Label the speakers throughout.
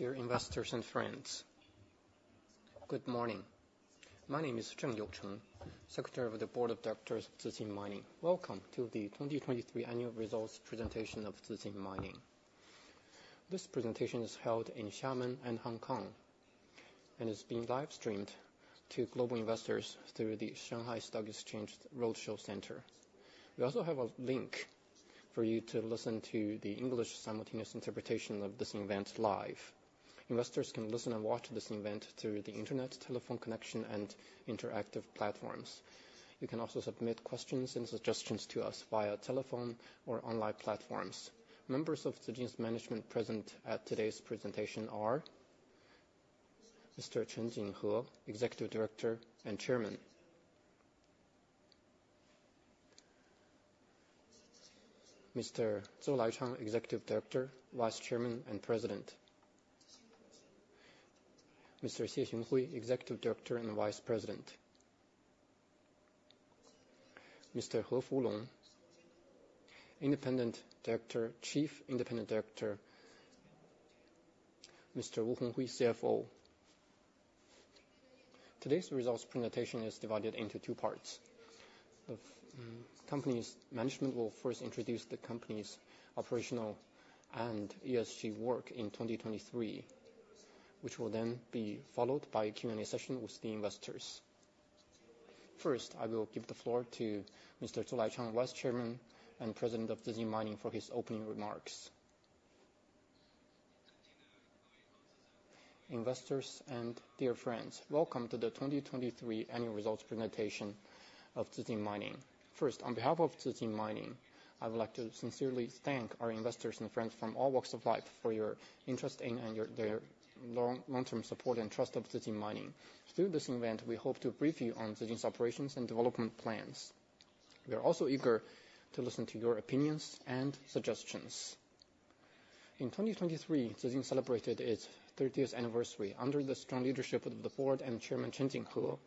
Speaker 1: Dear investors and friends, good morning. My name is Zheng Youcheng, Secretary of the Board of Directors of Zijin Mining. Welcome to the 2023 annual results presentation of Zijin Mining. This presentation is held in Xiamen and Hong Kong and is being livestreamed to global investors through the Shanghai Stock Exchange Roadshow Center. We also have a link for you to listen to the English simultaneous interpretation of this event live. Investors can listen and watch this event through the internet, telephone connection, and interactive platforms. You can also submit questions and suggestions to us via telephone or online platforms. Members of Zijin's management present at today's presentation are Mr. Chen Jinghe, Executive Director and Chairman, Mr. Zou Laichang, Executive Director, Vice Chairman and President, Mr. Xie Xionghui, Executive Director and Vice President, Mr. He Fulong, Independent Director, Chief Independent Director, Mr. Wu Honghui, CFO. Today's results presentation is divided into two parts. The company's management will first introduce the company's operational and ESG work in 2023, which will then be followed by a Q&A session with the investors. First, I will give the floor to Mr. Zou Laichang, Vice Chairman and President of Zijin Mining, for his opening remarks. Investors and dear friends, welcome to the 2023 annual results presentation of Zijin Mining. First, on behalf of Zijin Mining, I would like to sincerely thank our investors and friends from all walks of life for your interest in and their long-term support and trust of Zijin Mining. Through this event, we hope to brief you on Zijin's operations and development plans. We are also eager to listen to your opinions and suggestions. In 2023, Zijin celebrated its 30th anniversary under the strong leadership of the board and Chairman Chen Jinghe.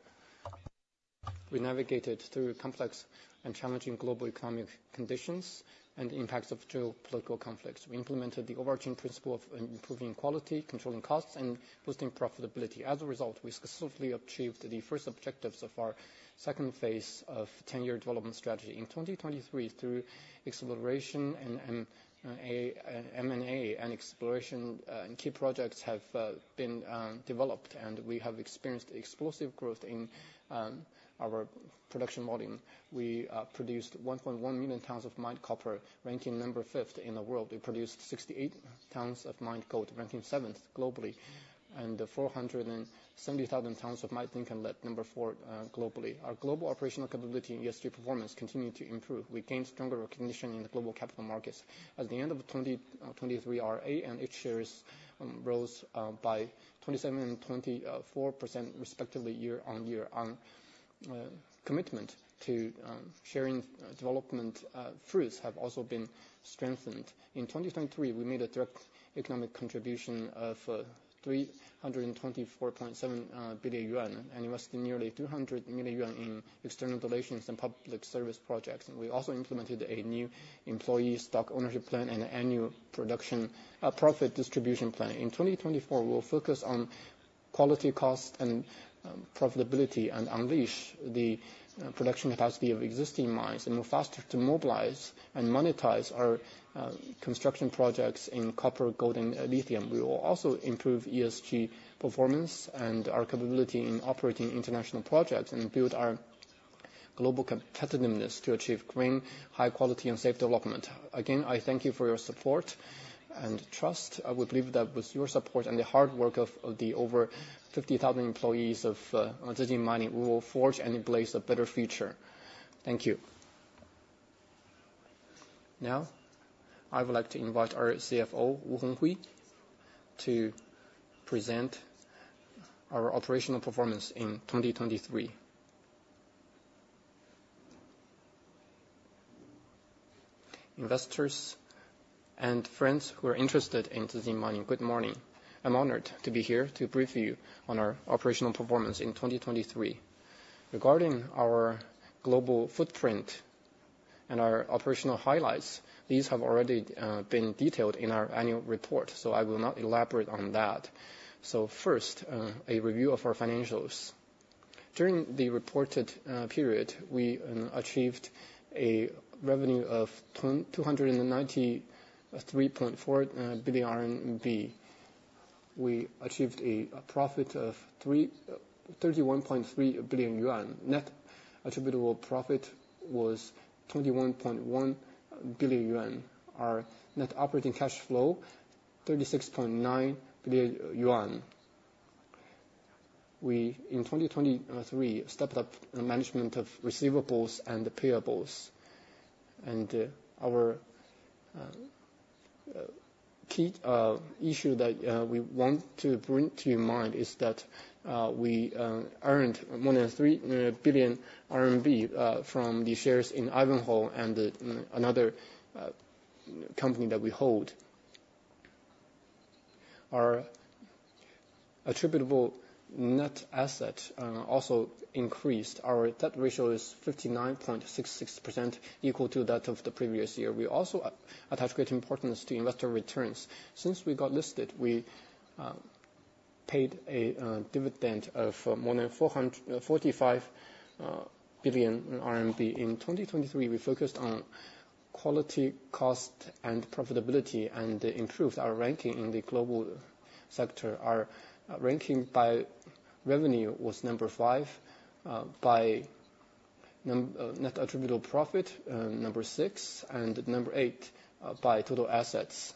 Speaker 1: We navigated through complex and challenging global economic conditions and the impacts of geopolitical conflicts. We implemented the overarching principle of improving quality, controlling costs, and boosting profitability. As a result, we successfully achieved the first objectives of our second phase of 10-year development strategy. In 2023, through exploration and M&A and exploration, key projects have been developed, and we have experienced explosive growth in our production volume. We produced 1.1 million tons of mined copper, ranking 5th in the world. We produced 68 tons of mined gold, ranking 7th globally, and 470,000 tons of mined zinc and lead, 4th globally. Our global operational capability and ESG performance continue to improve. We gained stronger recognition in the global capital markets. At the end of 2023, our A and H shares rose by 27% and 24%, respectively, year-on-year. Our commitment to sharing development fruits has also been strengthened. In 2023, we made a direct economic contribution of 324.7 billion yuan and invested nearly 200 million yuan in external relations and public service projects. We also implemented a new Employee Stock Ownership Plan and an annual profit distribution plan. In 2024, we will focus on quality, cost, and profitability and unleash the production capacity of existing mines and move faster to mobilize and monetize our construction projects in copper, gold, and lithium. We will also improve ESG performance and our capability in operating international projects and build our global competitiveness to achieve green, high-quality, and safe development. Again, I thank you for your support and trust. We believe that with your support and the hard work of the over 50,000 employees of Zijin Mining, we will forge and embrace a better future. Thank you. Now, I would like to invite our CFO, Wu Honghui, to present our operational performance in 2023.
Speaker 2: Investors and friends who are interested in Zijin Mining, good morning. I'm honored to be here to brief you on our operational performance in 2023. Regarding our global footprint and our operational highlights, these have already been detailed in our annual report, so I will not elaborate on that. First, a review of our financials. During the reported period, we achieved a revenue of 293.4 billion RMB. We achieved a profit of 31.3 billion yuan. Net attributable profit was 21.1 billion yuan. Our net operating cash flow, 36.9 billion yuan. We, in 2023, stepped up management of receivables and payables. Our key issue that we want to bring to your mind is that we earned more than 3 billion RMB from the shares in Ivanhoe and another company that we hold. Our attributable net asset also increased. Our debt ratio is 59.66%, equal to that of the previous year. We also attach great importance to investor returns. Since we got listed, we paid a dividend of more than 445 billion RMB. In 2023, we focused on quality, cost, and profitability and improved our ranking in the global sector. Our ranking by revenue was 5, by net attributable profit, 6, and 8 by total assets.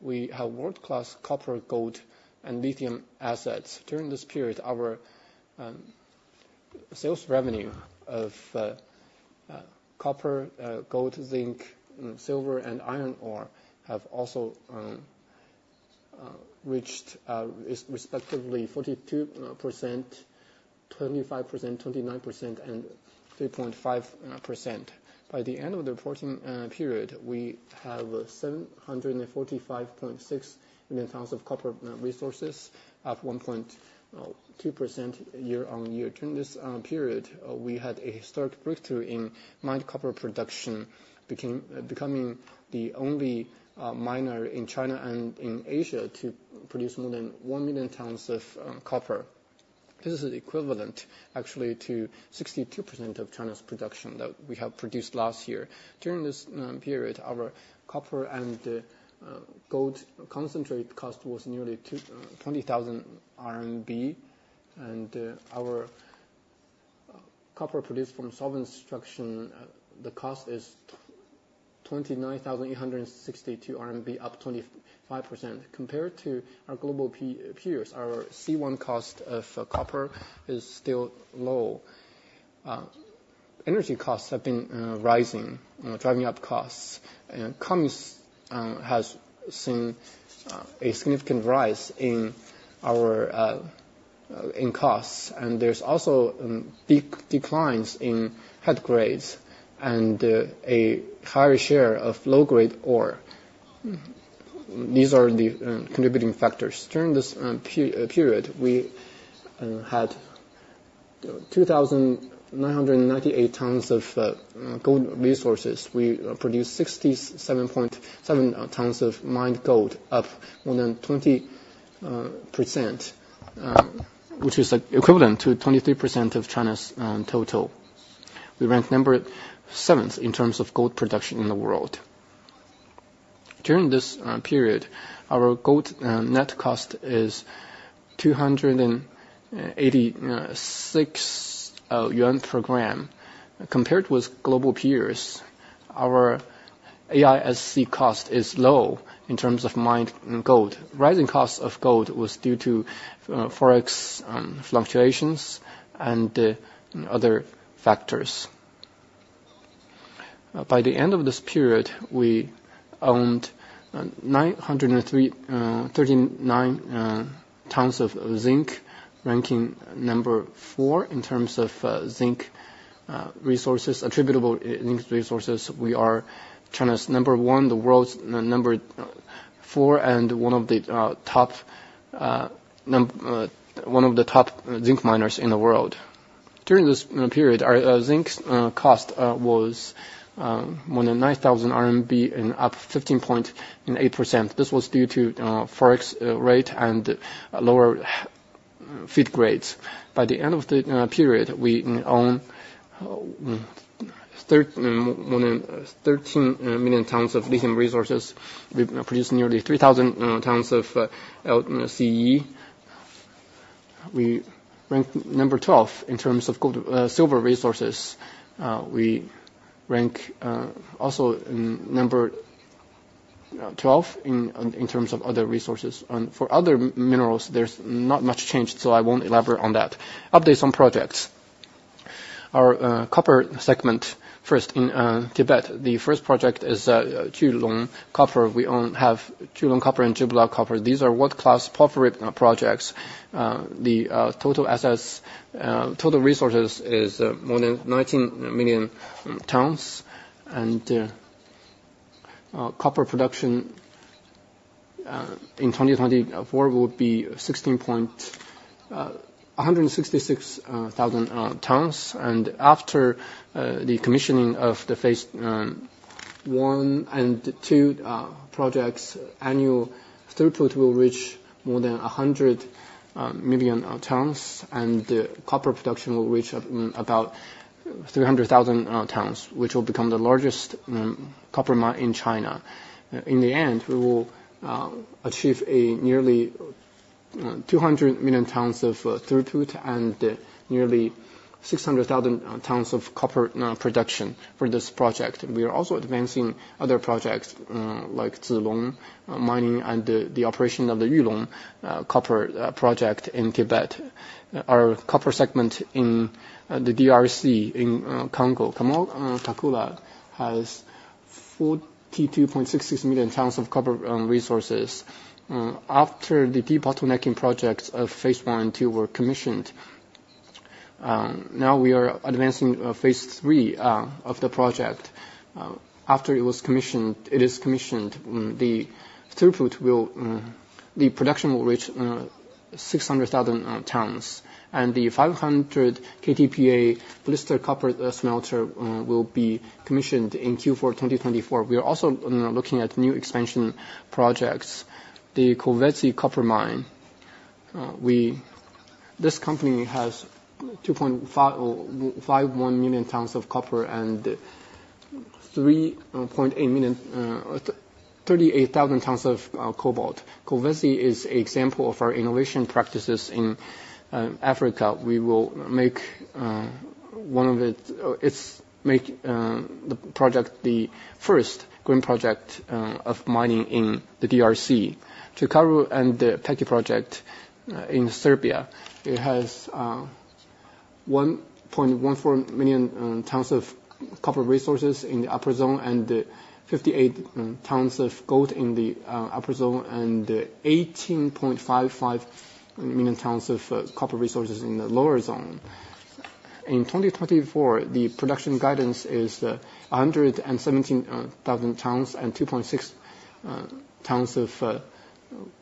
Speaker 2: We have world-class copper, gold, and lithium assets. During this period, our sales revenue of copper, gold, zinc, silver, and iron ore have also reached, respectively, 42%, 25%, 29%, and 3.5%. By the end of the reporting period, we have 745.6 million tons of copper resources of 1.2% year-on-year. During this period, we had a historic breakthrough in mined copper production, becoming the only miner in China and in Asia to produce more than 1 million tons of copper. This is equivalent, actually, to 62% of China's production that we have produced last year. During this period, our copper and gold concentrate cost was nearly 20,000 RMB, and our copper produced from solvent extraction, the cost is 29,862 RMB, up 25%. Compared to our global peers, our C1 cost of copper is still low. Energy costs have been rising, driving up costs. Kamoa has seen a significant rise in costs, and there's also big declines in head grades and a higher share of low-grade ore. These are the contributing factors. During this period, we had 2,998 tons of gold resources. We produced 67.7 tons of mined gold, up more than 20%, which is equivalent to 23% of China's total. We rank 7th in terms of gold production in the world. During this period, our gold net cost is 286 yuan per gram. Compared with global peers, our AISC cost is low in terms of mined gold. Rising costs of gold were due to forex fluctuations and other factors. By the end of this period, we owned 939 tons of zinc, ranking 4th in terms of zinc resources. Attributable zinc resources, we are China's 1st, the world's 4th, and one of the top zinc miners in the world. During this period, our zinc cost was more than 9,000 RMB and up 15.8%. This was due to forex rate and lower feed grades. By the end of the period, we owned more than 13 million tons of lithium resources. We produced nearly 3,000 tons of LCE. We rank 12th in terms of silver resources. We rank also 12 in terms of other resources. For other minerals, there's not much changed, so I won't elaborate on that. Updates on projects. Our copper segment, first in Tibet, the first project is Qulong Copper. We have Qulong Copper and Zhibula Copper. These are world-class porphyry projects. The total resources is more than 19 million tons, and copper production in 2024 will be 166,000 tons. And after the commissioning of the phase I and II projects, annual throughput will reach more than 100 million tons, and copper production will reach about 300,000 tons, which will become the largest copper mine in China. In the end, we will achieve nearly 200 million tons of throughput and nearly 600,000 tons of copper production for this project. We are also advancing other projects like Julong Mining and the operation of the Yulong Copper Project in Tibet. Our copper segment in the DRC in Congo, Kamoa-Kakula, has 42.66 million tons of copper resources. After the debottlenecking projects of phase I and II were commissioned, now we are advancing phase III of the project. After it is commissioned, the production will reach 600,000 tons, and the 500 KTPA blister copper smelter will be commissioned in Q4 2024. We are also looking at new expansion projects. The Kolwezi Copper Mine, this company has 2.51 million tons of copper and 38,000 tons of cobalt. Kolwezi is an example of our innovation practices in Africa. We will make one of its projects, the first green project of mining in the DRC, to cover and the Čukaru Peki project in Serbia. It has 1.14 million tons of copper resources in the Upper Zone and 58 tons of gold in the Upper Zone and 18.55 million tons of copper resources in the Lower Zone. In 2024, the production guidance is 117,000 tons and 2.6 tons of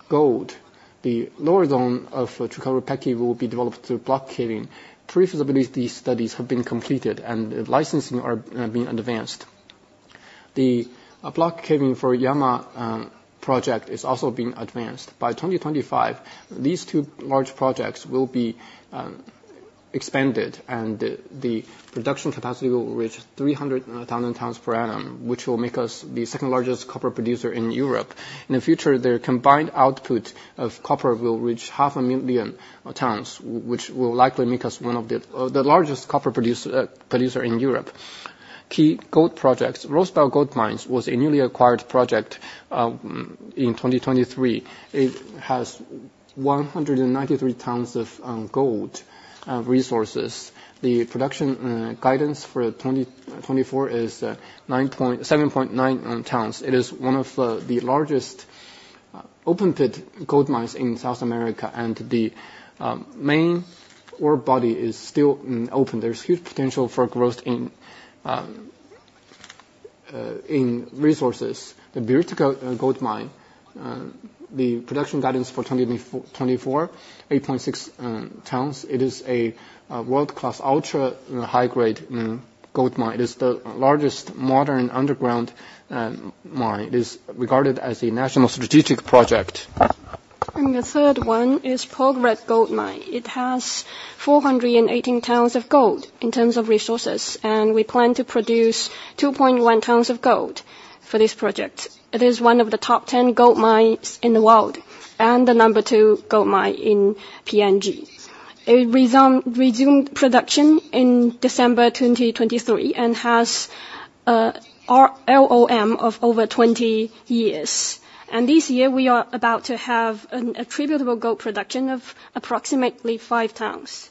Speaker 2: gold. The Lower Zone of Čukaru Peki will be developed through block caving. Pre-feasibility studies have been completed, and licensing is being advanced. The block caving for Jama Project is also being advanced. By 2025, these two large projects will be expanded, and the production capacity will reach 300,000 tons per annum, which will make us the second largest copper producer in Europe. In the future, their combined output of copper will reach 500,000 tons, which will likely make us one of the largest copper producers in Europe. Key gold projects, Rosebel Gold Mines was a newly acquired project in 2023. It has 193 tons of gold resources. The production guidance for 2024 is 7.9 tons. It is one of the largest open-pit gold mines in South America, and the main ore body is still open. There's huge potential for growth in resources. The Buriticá Gold Mine, the production guidance for 2024, 8.6 tons. It is a world-class ultra-high-grade gold mine. It is the largest modern underground mine. It is regarded as a national strategic project. The third one is Porgera Gold Mine. It has 418 tons of gold in terms of resources, and we plan to produce 2.1 tons of gold for this project. It is one of the top 10 gold mines in the world and the number 2 gold mine in PNG. It resumed production in December 2023 and has an LOM of over 20 years. This year, we are about to have an attributable gold production of approximately 5 tons.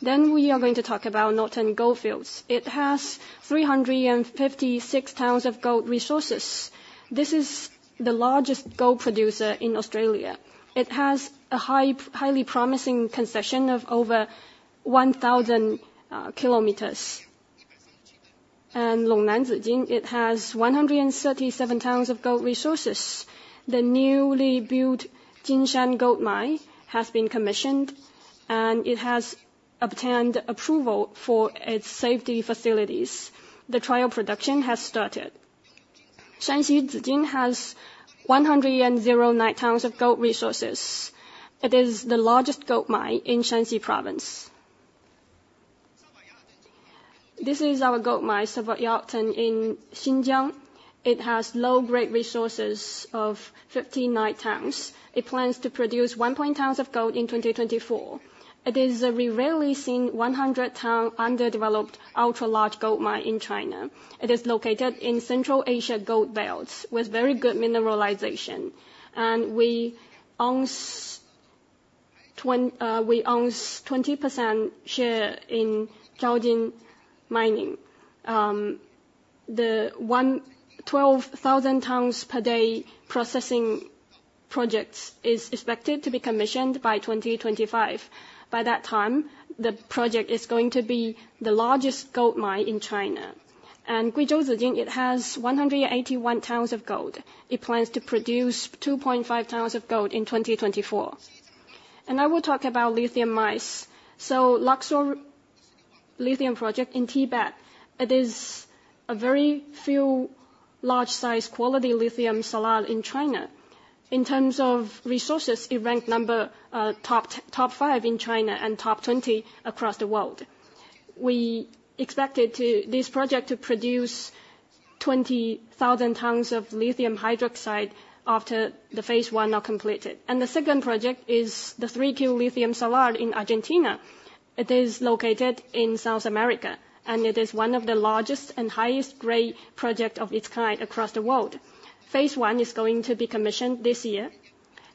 Speaker 2: We are going to talk about Norton Gold Fields. It has 356 tons of gold resources. This is the largest gold producer in Australia. It has a highly promising concession of over 1,000 kilometers. Longnan Zijin has 137 tons of gold resources. The newly built Jinshan Gold Mine has been commissioned, and it has obtained approval for its safety facilities. The trial production has started. Shanxi Zijin has 109 tons of gold resources. It is the largest gold mine in Shanxi Province. This is our gold mine, Sawayaerdun, in Xinjiang. It has low-grade resources of 159 tons. It plans to produce 1.0 tons of gold in 2024. It is a rarely seen 100-ton underdeveloped ultra-large gold mine in China. It is located in Central Asia Gold Belts with very good mineralization, and we own 20% share in Zhaojin Mining. The 12,000-tons-per-day processing project is expected to be commissioned by 2025. By that time, the project is going to be the largest gold mine in China. Guizhou Zijin, it has 181 tons of gold. It plans to produce 2.5 tons of gold in 2024. I will talk about lithium mines. Lakkor Tso Lithium Project in Tibet, it is a very few large-size quality lithium salar in China. In terms of resources, it ranks number top 5 in China and top 20 across the world. This project is expected to produce 20,000 tons of lithium hydroxide after the phase I is completed. The second project is the 3Q Lithium Salar in Argentina. It is located in South America, and it is one of the largest and highest-grade projects of its kind across the world. Phase I is going to be commissioned this year,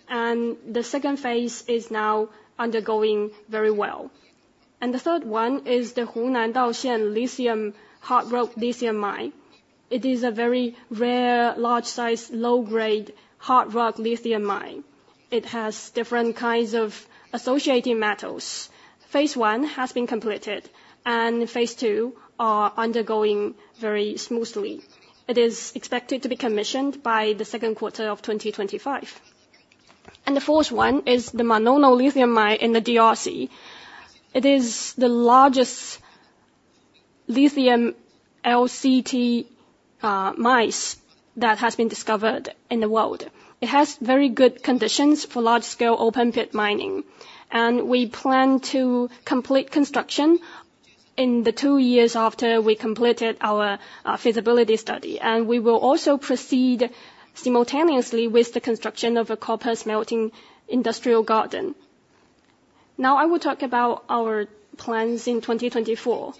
Speaker 2: and the second phase is now undergoing very well. The third one is the Hunan Daoxian hard rock lithium mine. It is a very rare, large-size, low-grade hard rock lithium mine. It has different kinds of associating metals. Phase I has been completed, and phase II is undergoing very smoothly. It is expected to be commissioned by the second quarter of 2025. The fourth one is the Manono Lithium Mine in the DRC. It is the largest lithium LCT mine that has been discovered in the world. It has very good conditions for large-scale open-pit mining, and we plan to complete construction in the two years after we completed our feasibility study. We will also proceed simultaneously with the construction of a copper smelting industrial garden. Now I will talk about our plans in 2024.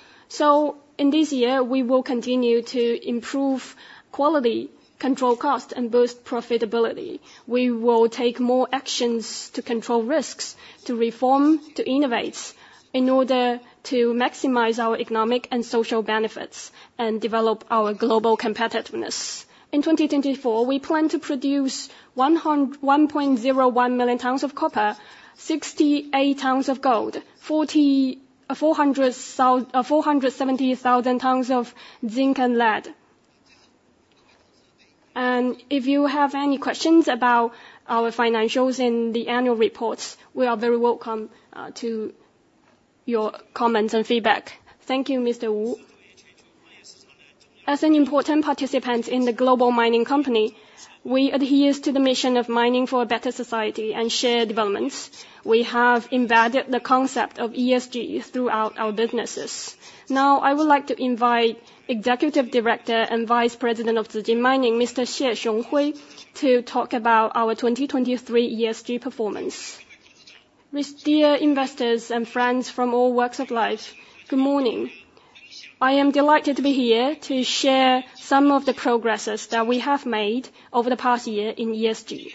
Speaker 2: In this year, we will continue to improve quality, control costs, and boost profitability. We will take more actions to control risks, to reform, to innovate, in order to maximize our economic and social benefits and develop our global competitiveness. In 2024, we plan to produce 1.01 million tons of copper, 68 tons of gold, 470,000 tons of zinc, and lead. And if you have any questions about our financials in the annual reports, we are very welcome to your comments and feedback.
Speaker 1: Thank you, Mr. Wu. As an important participant in the global mining company, we adhere to the mission of mining for a better society and shared developments. We have embedded the concept of ESG throughout our businesses. Now I would like to invite Executive Director and Vice President of Zijin Mining, Mr. Xie Xionghui, to talk about our 2023 ESG performance.
Speaker 3: Dear investors and friends from all walks of life, good morning. I am delighted to be here to share some of the progresses that we have made over the past year in ESG.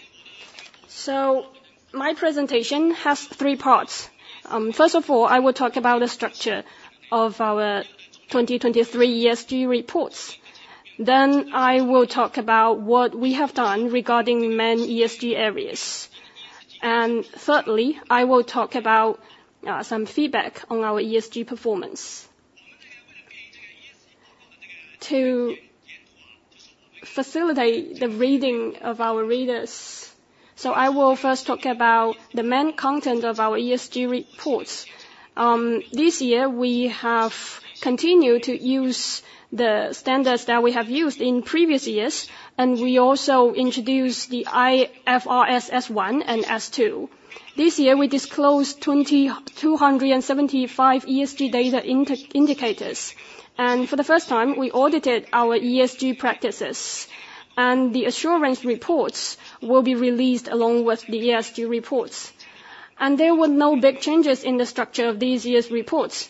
Speaker 3: So my presentation has three parts. First of all, I will talk about the structure of our 2023 ESG reports. Then I will talk about what we have done regarding main ESG areas. And thirdly, I will talk about some feedback on our ESG performance to facilitate the reading of our readers. So I will first talk about the main content of our ESG reports. This year, we have continued to use the standards that we have used in previous years, and we also introduced the IFRS S1 and S2. This year, we disclosed 275 ESG data indicators, and for the first time, we audited our ESG practices. The assurance reports will be released along with the ESG reports. There were no big changes in the structure of these years' reports,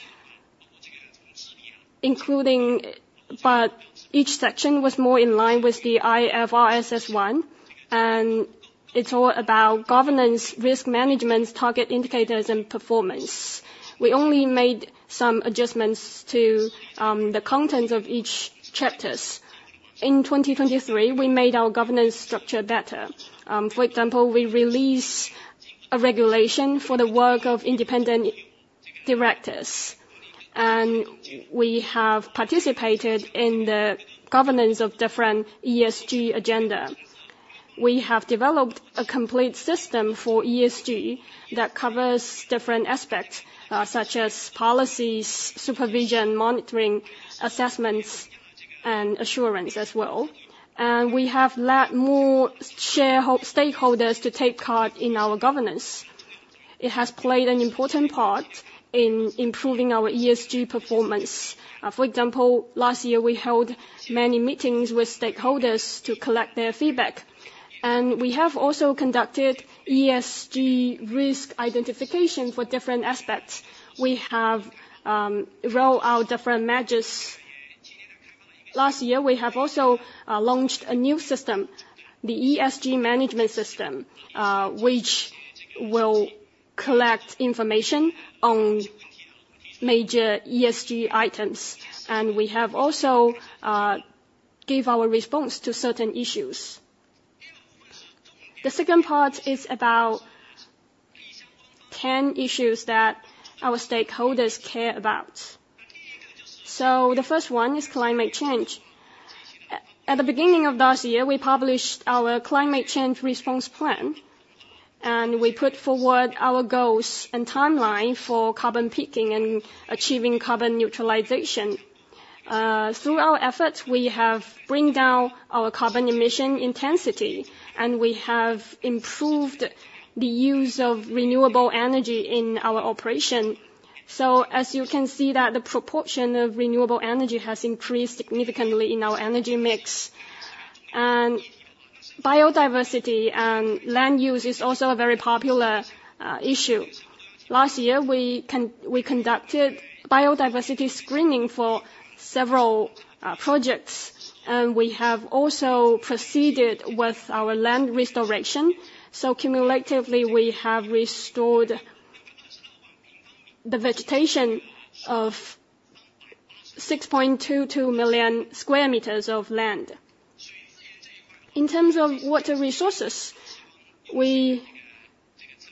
Speaker 3: but each section was more in line with the IFRS S1, and it's all about governance, risk management, target indicators, and performance. We only made some adjustments to the contents of each chapter. In 2023, we made our governance structure better. For example, we released a regulation for the work of independent directors, and we have participated in the governance of different ESG agendas. We have developed a complete system for ESG that covers different aspects such as policies, supervision, monitoring, assessments, and assurance as well. We have let more stakeholders take part in our governance. It has played an important part in improving our ESG performance. For example, last year, we held many meetings with stakeholders to collect their feedback. We have also conducted ESG risk identification for different aspects. We have rolled out different measures. Last year, we have also launched a new system, the ESG Management System, which will collect information on major ESG items, and we have also given our response to certain issues. The second part is about 10 issues that our stakeholders care about. The first one is climate change. At the beginning of last year, we published our climate change response plan, and we put forward our goals and timeline for carbon peaking and achieving carbon neutrality. Through our efforts, we have brought down our carbon emission intensity, and we have improved the use of renewable energy in our operation. So as you can see, the proportion of renewable energy has increased significantly in our energy mix. Biodiversity and land use is also a very popular issue. Last year, we conducted biodiversity screening for several projects, and we have also proceeded with our land restoration. So cumulatively, we have restored the vegetation of 6.22 million square meters of land. In terms of water resources, we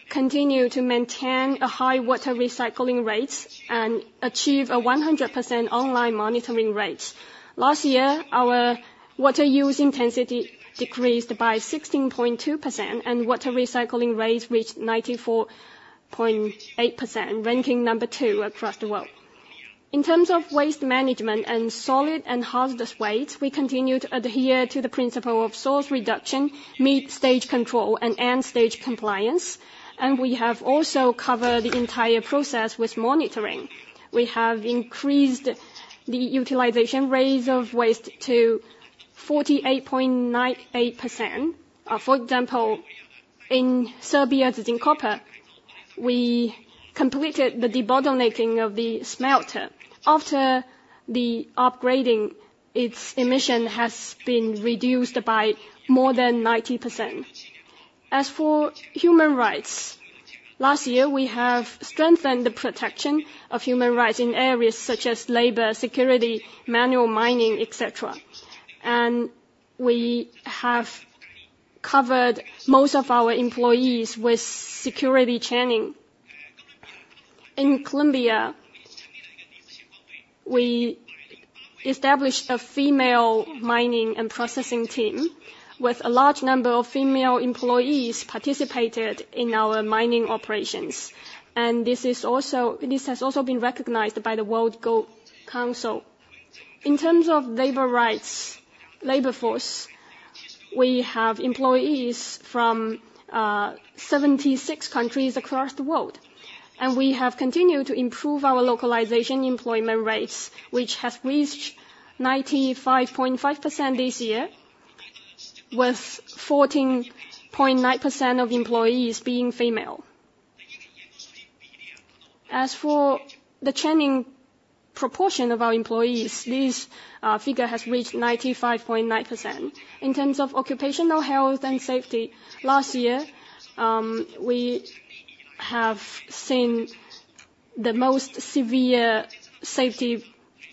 Speaker 3: continue to maintain a high water recycling rate and achieve a 100% online monitoring rate. Last year, our water use intensity decreased by 16.2%, and water recycling rates reached 94.8%, ranking number 2 across the world. In terms of waste management and solid and hazardous waste, we continue to adhere to the principle of source reduction, mid-stage control, and end-stage compliance. And we have also covered the entire process with monitoring. We have increased the utilization rate of waste to 48.98%. For example, in Serbia Zijin Copper, we completed the debottlenecking of the smelter. After the upgrading, its emissions have been reduced by more than 90%. As for human rights, last year, we have strengthened the protection of human rights in areas such as labor, security, manual mining, etc. We have covered most of our employees with security training. In Colombia, we established a female mining and processing team with a large number of female employees participating in our mining operations. This has also been recognized by the World Gold Council. In terms of labor force, we have employees from 76 countries across the world. We have continued to improve our localization employment rates, which have reached 95.5% this year, with 14.9% of employees being female. As for the training proportion of our employees, this figure has reached 95.9%. In terms of occupational health and safety, last year, we have seen the most severe safety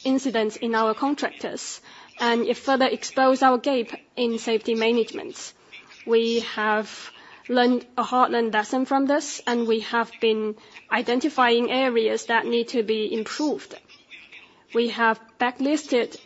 Speaker 3: incidents in our contractors. It further exposed our gap in safety management. We have learned a hard lesson from this, and we have been identifying areas that need to be improved. We have blacklisted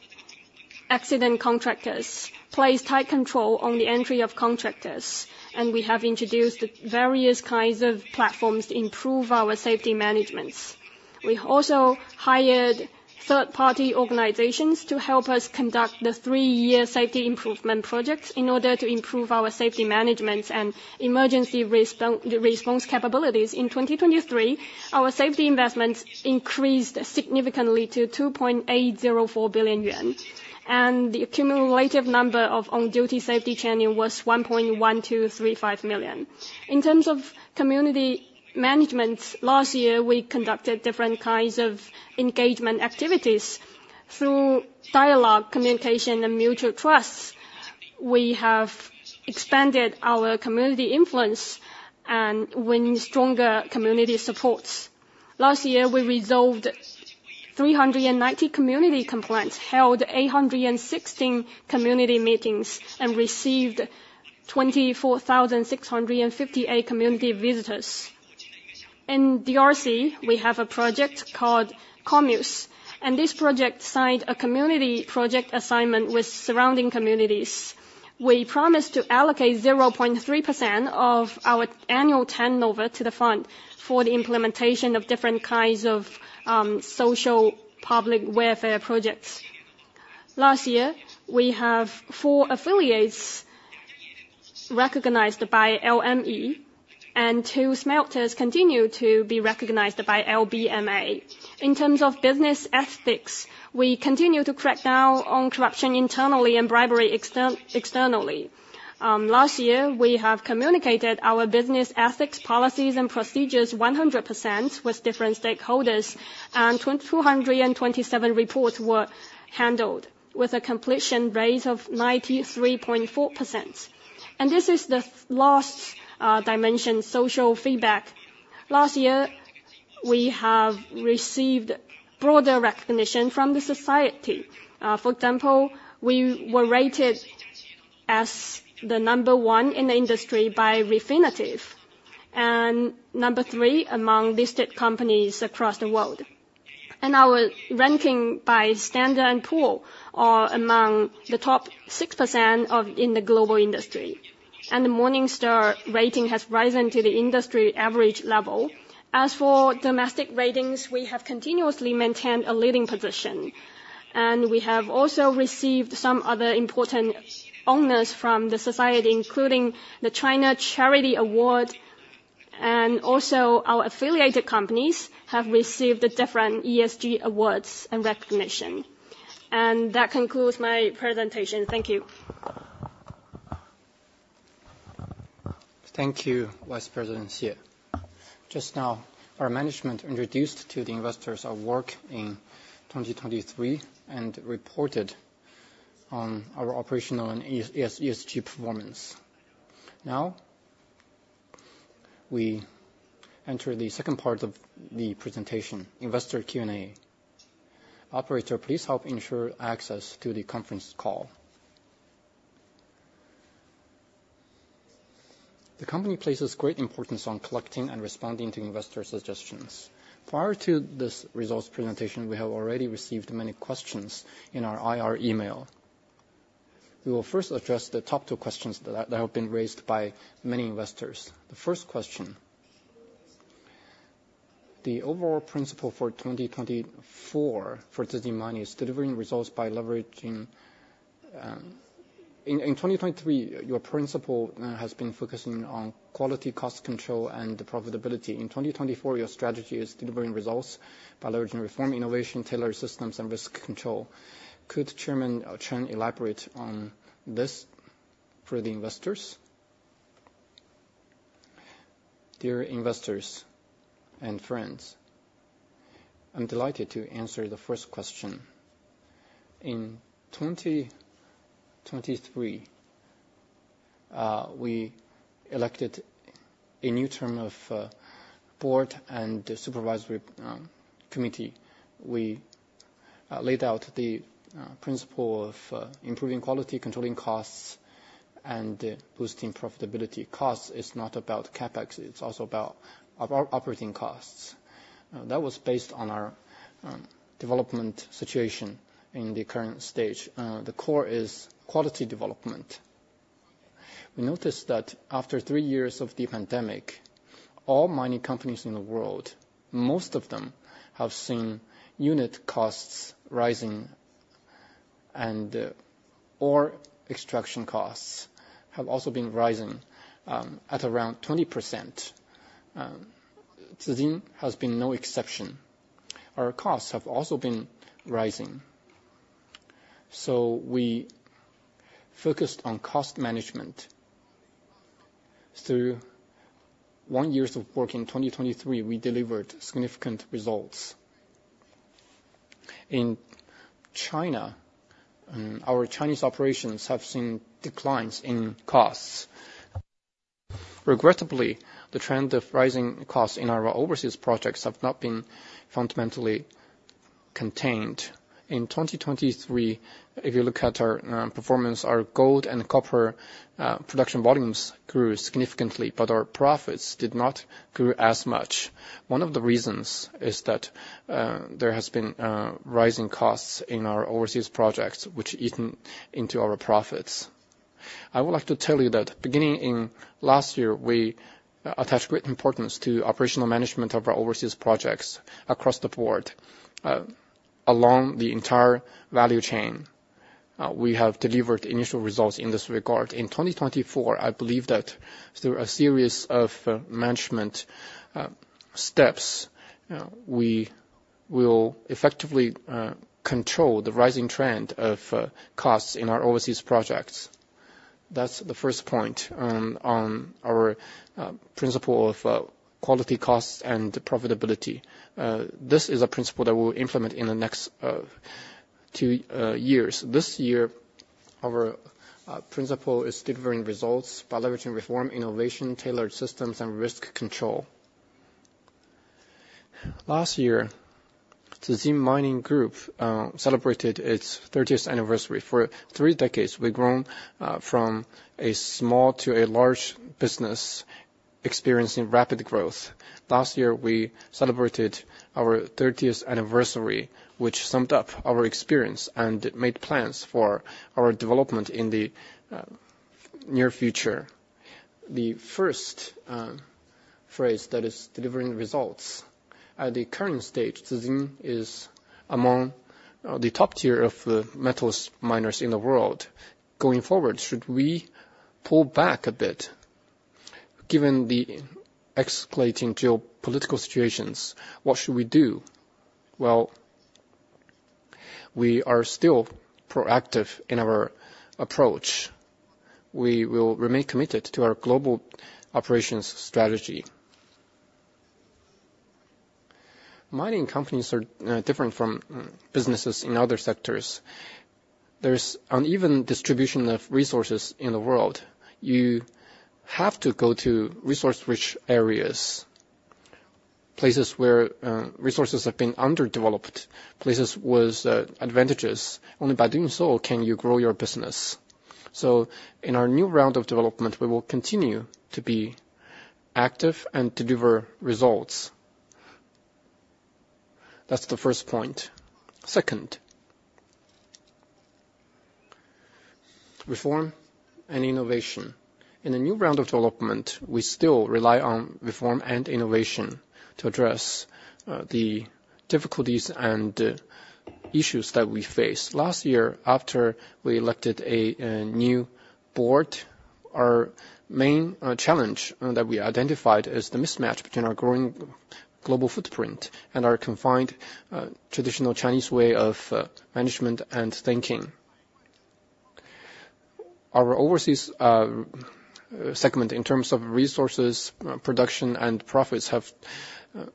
Speaker 3: accident contractors, placed tight control on the entry of contractors, and we have introduced various kinds of platforms to improve our safety managements. We also hired third-party organizations to help us conduct the three-year safety improvement projects. In order to improve our safety management and emergency response capabilities, in 2023, our safety investments increased significantly to 2.804 billion yuan, and the accumulative number of on-duty safety training was 1.1235 million. In terms of community management, last year, we conducted different kinds of engagement activities. Through dialogue, communication, and mutual trust, we have expanded our community influence and win stronger community supports. Last year, we resolved 390 community complaints, held 816 community meetings, and received 24,658 community visitors. In DRC, we have a project called COMMUS, and this project signed a community project assignment with surrounding communities. We promised to allocate 0.3% of our annual turnover to the fund for the implementation of different kinds of social public welfare projects. Last year, we have four affiliates recognized by LME, and two smelters continue to be recognized by LBMA. In terms of business ethics, we continue to crack down on corruption internally and bribery externally. Last year, we have communicated our business ethics, policies, and procedures 100% with different stakeholders, and 227 reports were handled with a completion rate of 93.4%. This is the last dimension, social feedback. Last year, we have received broader recognition from the society. For example, we were rated as the number 1 in the industry by Refinitiv and number 3 among listed companies across the world. Our ranking by Standard & Poor's is among the top 6% in the global industry. The Morningstar rating has risen to the industry average level. As for domestic ratings, we have continuously maintained a leading position. We have also received some other important honors from the society, including the China Charity Award. Our affiliated companies have received different ESG awards and recognition. That concludes my presentation. Thank you.
Speaker 1: Thank you, Vice President Xie. Just now, our management introduced to the investors our work in 2023 and reported on our operational and ESG performance. Now we enter the second part of the presentation, investor Q&A. Operator, please help ensure access to the conference call. The company places great importance on collecting and responding to investor suggestions. Prior to this results presentation, we have already received many questions in our IR email. We will first address the top two questions that have been raised by many investors. The first question, the overall principle for 2024 for Zijin Mining is delivering results by leveraging in 2023, your principle has been focusing on quality, cost control, and profitability. In 2024, your strategy is delivering results by leveraging reform, innovation, tailored systems, and risk control. Could Chairman Chen elaborate on this for the investors?
Speaker 4: Dear investors and friends, I'm delighted to answer the first question. In 2023, we elected a new term of board and Supervisory Committee. We laid out the principle of improving quality, controlling costs, and boosting profitability. Costs is not about CapEx. It's also about operating costs. That was based on our development situation in the current stage. The core is quality development. We noticed that after three years of the pandemic, all mining companies in the world, most of them have seen unit costs rising or extraction costs have also been rising at around 20%. Zijin has been no exception. Our costs have also been rising. So we focused on cost management. Through one year's work in 2023, we delivered significant results. In China, our Chinese operations have seen declines in costs. Regrettably, the trend of rising costs in our overseas projects has not been fundamentally contained. In 2023, if you look at our performance, our gold and copper production volumes grew significantly, but our profits did not grow as much. One of the reasons is that there have been rising costs in our overseas projects, which eaten into our profits. I would like to tell you that beginning in last year, we attached great importance to operational management of our overseas projects across the board. Along the entire value chain, we have delivered initial results in this regard. In 2024, I believe that through a series of management steps, we will effectively control the rising trend of costs in our overseas projects. That's the first point on our principle of quality costs and profitability. This is a principle that we will implement in the next two years. This year, our principle is delivering results by leveraging reform, innovation, tailored systems, and risk control. Last year, Zijin Mining Group celebrated its 30th anniversary. For three decades, we've grown from a small to a large business experiencing rapid growth. Last year, we celebrated our 30th anniversary, which summed up our experience and made plans for our development in the near future. The first phrase, that is delivering results. At the current stage, Zijin is among the top tier of the metals miners in the world. Going forward, should we pull back a bit? Given the escalating geopolitical situations, what should we do? Well, we are still proactive in our approach. We will remain committed to our global operations strategy. Mining companies are different from businesses in other sectors. There's an uneven distribution of resources in the world. You have to go to resource-rich areas, places where resources have been underdeveloped, places with advantages. Only by doing so can you grow your business. So in our new round of development, we will continue to be active and deliver results. That's the first point. Second, reform and innovation. In the new round of development, we still rely on reform and innovation to address the difficulties and issues that we face. Last year, after we elected a new board, our main challenge that we identified is the mismatch between our growing global footprint and our confined traditional Chinese way of management and thinking. Our overseas segment, in terms of resources, production, and profits, have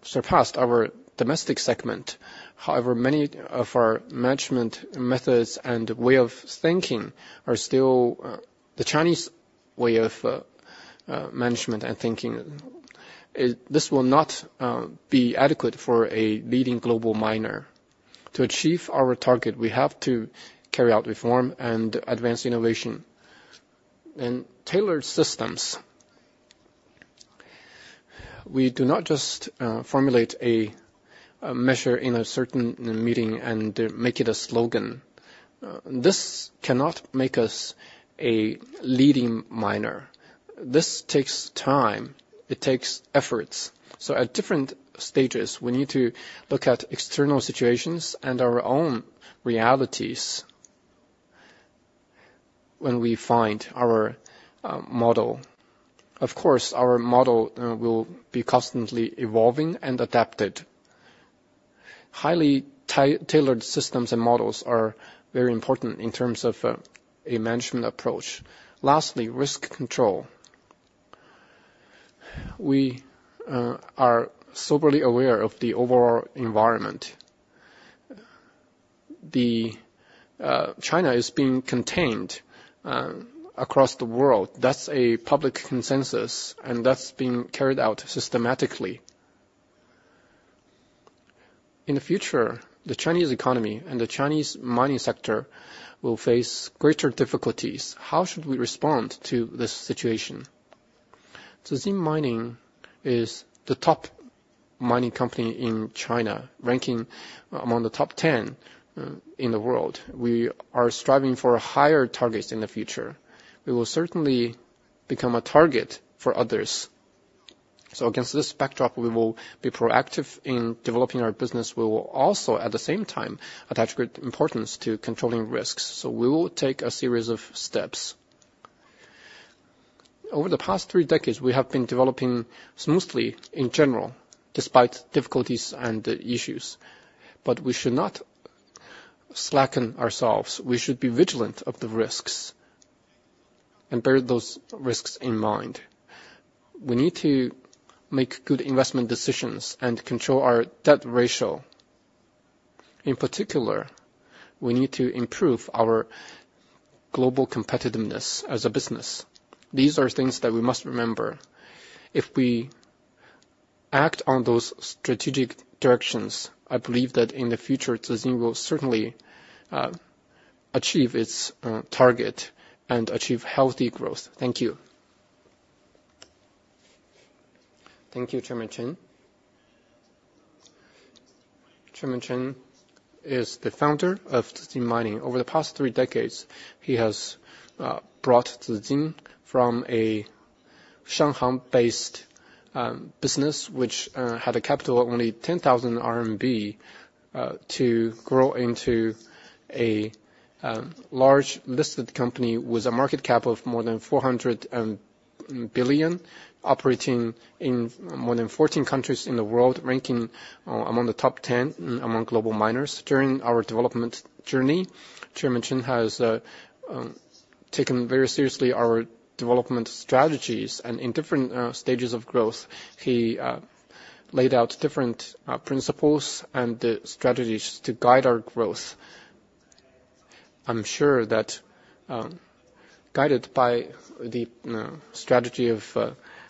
Speaker 4: surpassed our domestic segment. However, many of our management methods and way of thinking are still the Chinese way of management and thinking. This will not be adequate for a leading global miner. To achieve our target, we have to carry out reform and advance innovation and tailored systems. We do not just formulate a measure in a certain meeting and make it a slogan. This cannot make us a leading miner. This takes time. It takes efforts. So at different stages, we need to look at external situations and our own realities when we find our model. Of course, our model will be constantly evolving and adapted. Highly tailored systems and models are very important in terms of a management approach. Lastly, risk control. We are soberly aware of the overall environment. China is being contained across the world. That's a public consensus, and that's being carried out systematically. In the future, the Chinese economy and the Chinese mining sector will face greater difficulties. How should we respond to this situation? Zijin Mining is the top mining company in China, ranking among the top 10 in the world. We are striving for higher targets in the future. We will certainly become a target for others. So against this backdrop, we will be proactive in developing our business. We will also, at the same time, attach great importance to controlling risks. So we will take a series of steps. Over the past three decades, we have been developing smoothly in general, despite difficulties and issues. But we should not slacken ourselves. We should be vigilant of the risks and bear those risks in mind. We need to make good investment decisions and control our debt ratio. In particular, we need to improve our global competitiveness as a business. These are things that we must remember. If we act on those strategic directions, I believe that in the future, Zijin will certainly achieve its target and achieve healthy growth. Thank you.
Speaker 1: Thank you, Chairman Chen. Chairman Chen is the founder of Zijin Mining. Over the past three decades, he has brought Zijin from a Shanghai-based business, which had a capital of only 10,000, to grow into a large listed company with a market cap of more than 400 billion, operating in more than 14 countries in the world, ranking among the top 10 among global miners. During our development journey, Chairman Chen has taken very seriously our development strategies. In different stages of growth, he laid out different principles and strategies to guide our growth. I'm sure that guided by the strategy of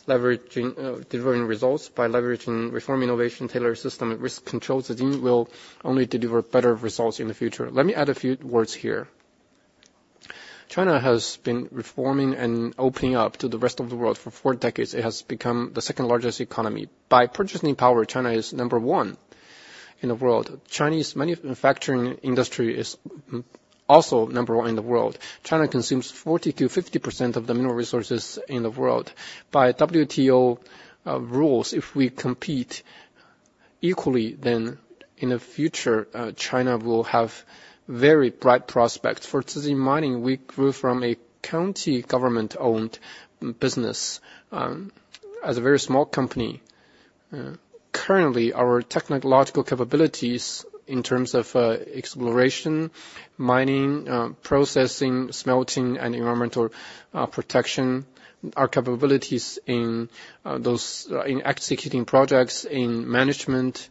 Speaker 1: delivering results, by leveraging reform, innovation, tailored system, and risk control, Zijin will only deliver better results in the future. Let me add a few words here. China has been reforming and opening up to the rest of the world. For four decades, it has become the second largest economy. By purchasing power, China is number one in the world. The Chinese manufacturing industry is also number one in the world. China consumes 40%-50% of the mineral resources in the world. By WTO rules, if we compete equally, then in the future, China will have very bright prospects. For Zijin Mining, we grew from a county government-owned business as a very small company. Currently, our technological capabilities in terms of exploration, mining, processing, smelting, and environmental protection, our capabilities in executing projects, in management,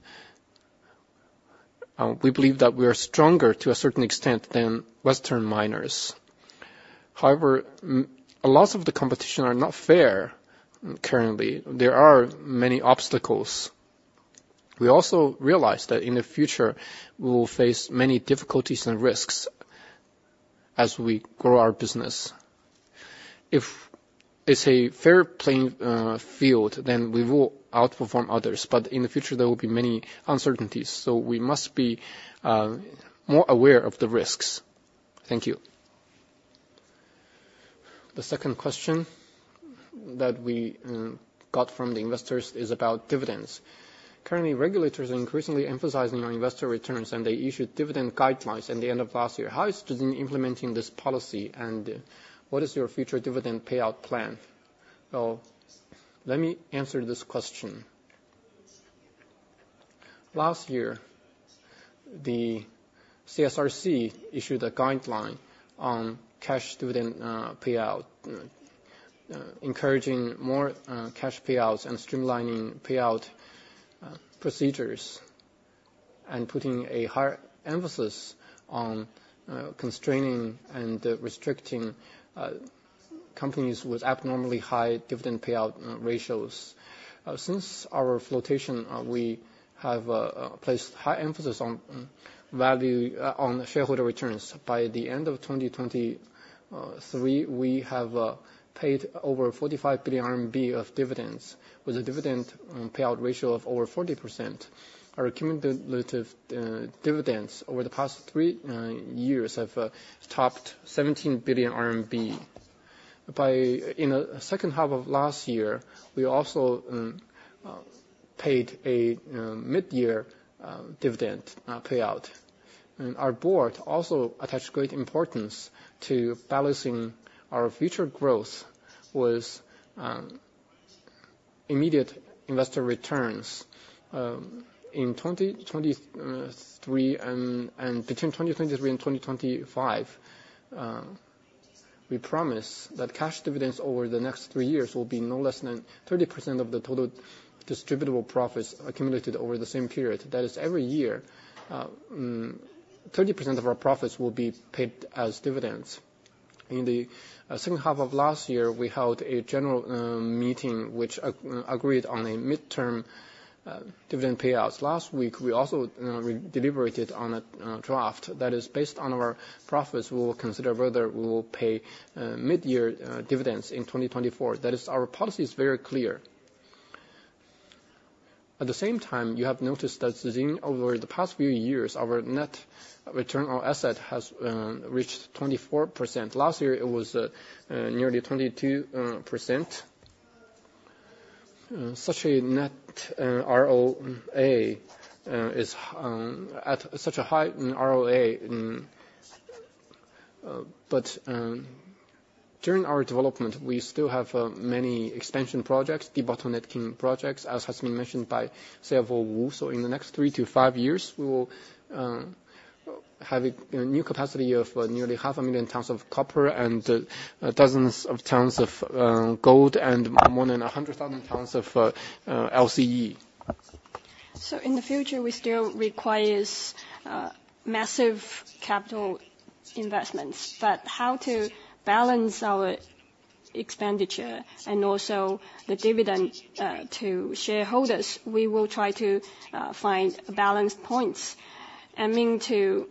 Speaker 1: we believe that we are stronger to a certain extent than Western miners. However, a lot of the competition is not fair currently. There are many obstacles. We also realize that in the future, we will face many difficulties and risks as we grow our business. If it's a fair playing field, then we will outperform others. In the future, there will be many uncertainties. We must be more aware of the risks. Thank you. The second question that we got from the investors is about dividends. Currently, regulators are increasingly emphasizing our investor returns, and they issued dividend guidelines at the end of last year. How is Zijin implementing this policy, and what is your future dividend payout plan?
Speaker 4: Well, let me answer this question. Last year, the CSRC issued a guideline on cash dividend payout, encouraging more cash payouts and streamlining payout procedures, and putting a high emphasis on constraining and restricting companies with abnormally high dividend payout ratios. Since our flotation, we have placed high emphasis on shareholder returns. By the end of 2023, we have paid over 45 billion RMB of dividends with a dividend payout ratio of over 40%. Our cumulative dividends over the past three years have topped 17 billion RMB. In the second half of last year, we also paid a mid-year dividend payout. Our board also attached great importance to balancing our future growth with immediate investor returns. In 2023 and between 2023 and 2025, we promise that cash dividends over the next three years will be no less than 30% of the total distributable profits accumulated over the same period. That is, every year, 30% of our profits will be paid as dividends. In the second half of last year, we held a general meeting, which agreed on a mid-term dividend payout. Last week, we also deliberated on a draft that is based on our profits. We will consider whether we will pay mid-year dividends in 2024. That is, our policy is very clear. At the same time, you have noticed that Zijin, over the past few years, our net return on asset has reached 24%. Last year, it was nearly 22%. Such a net ROA is at such a high ROA. But during our development, we still have many expansion projects, debottlenecking projects, as has been mentioned by Xiao Huo. So in the next three to five years, we will have a new capacity of nearly 500,000 tons of copper and dozens of tons of gold and more than 100,000 tons of LCE. So in the future, we still require massive capital investments. But how to balance our expenditure and also the dividend to shareholders, we will try to find balanced points aiming to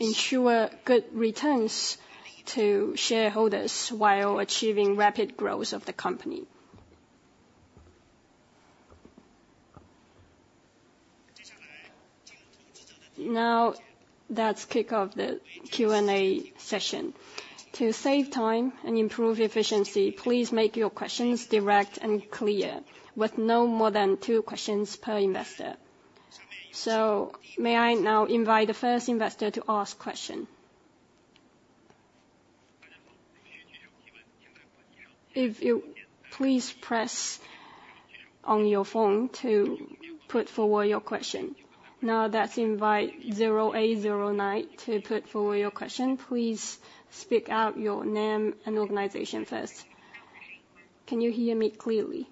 Speaker 4: ensure good returns to shareholders while achieving rapid growth of the company.
Speaker 1: Now, that's the kick-off of the Q&A session. To save time and improve efficiency, please make your questions direct and clear, with no more than two questions per investor. So may I now invite the first investor to ask a question?
Speaker 5: If you please press on your phone to put forward your question. Now, that's invite 0809 to put forward your question. Please speak out your name and organization first. Can you hear me clearly?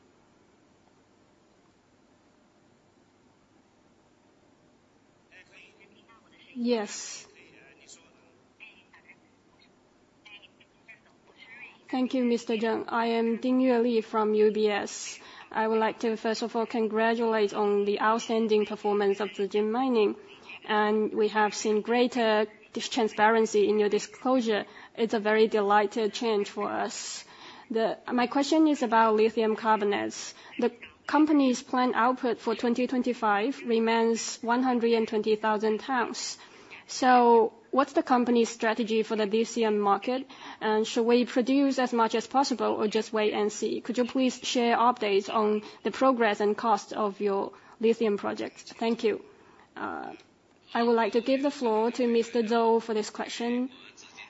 Speaker 6: Yes. Thank you, Mr. Zheng. I am Ding Yueli from UBS. I would like to, first of all, congratulate on the outstanding performance of Zijin Mining. We have seen greater transparency in your disclosure. It's a very delighted change for us. My question is about lithium carbonates. The company's planned output for 2025 remains 120,000 tons. So what's the company's strategy for the lithium market? And should we produce as much as possible or just wait and see? Could you please share updates on the progress and cost of your lithium projects? Thank you.
Speaker 1: I would like to give the floor to Mr. Zou for this question.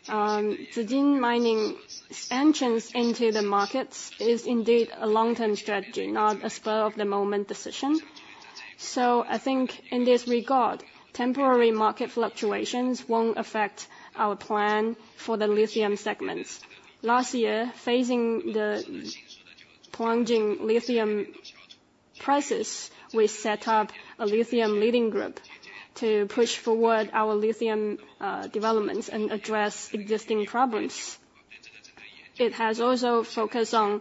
Speaker 7: Zijin Mining's entrance into the markets is indeed a long-term strategy, not a spur-of-the-moment decision. So I think in this regard, temporary market fluctuations won't affect our plan for the lithium segments. Last year, facing the plunging lithium prices, we set up a Lithium Leading Group to push forward our lithium developments and address existing problems. It has also focused on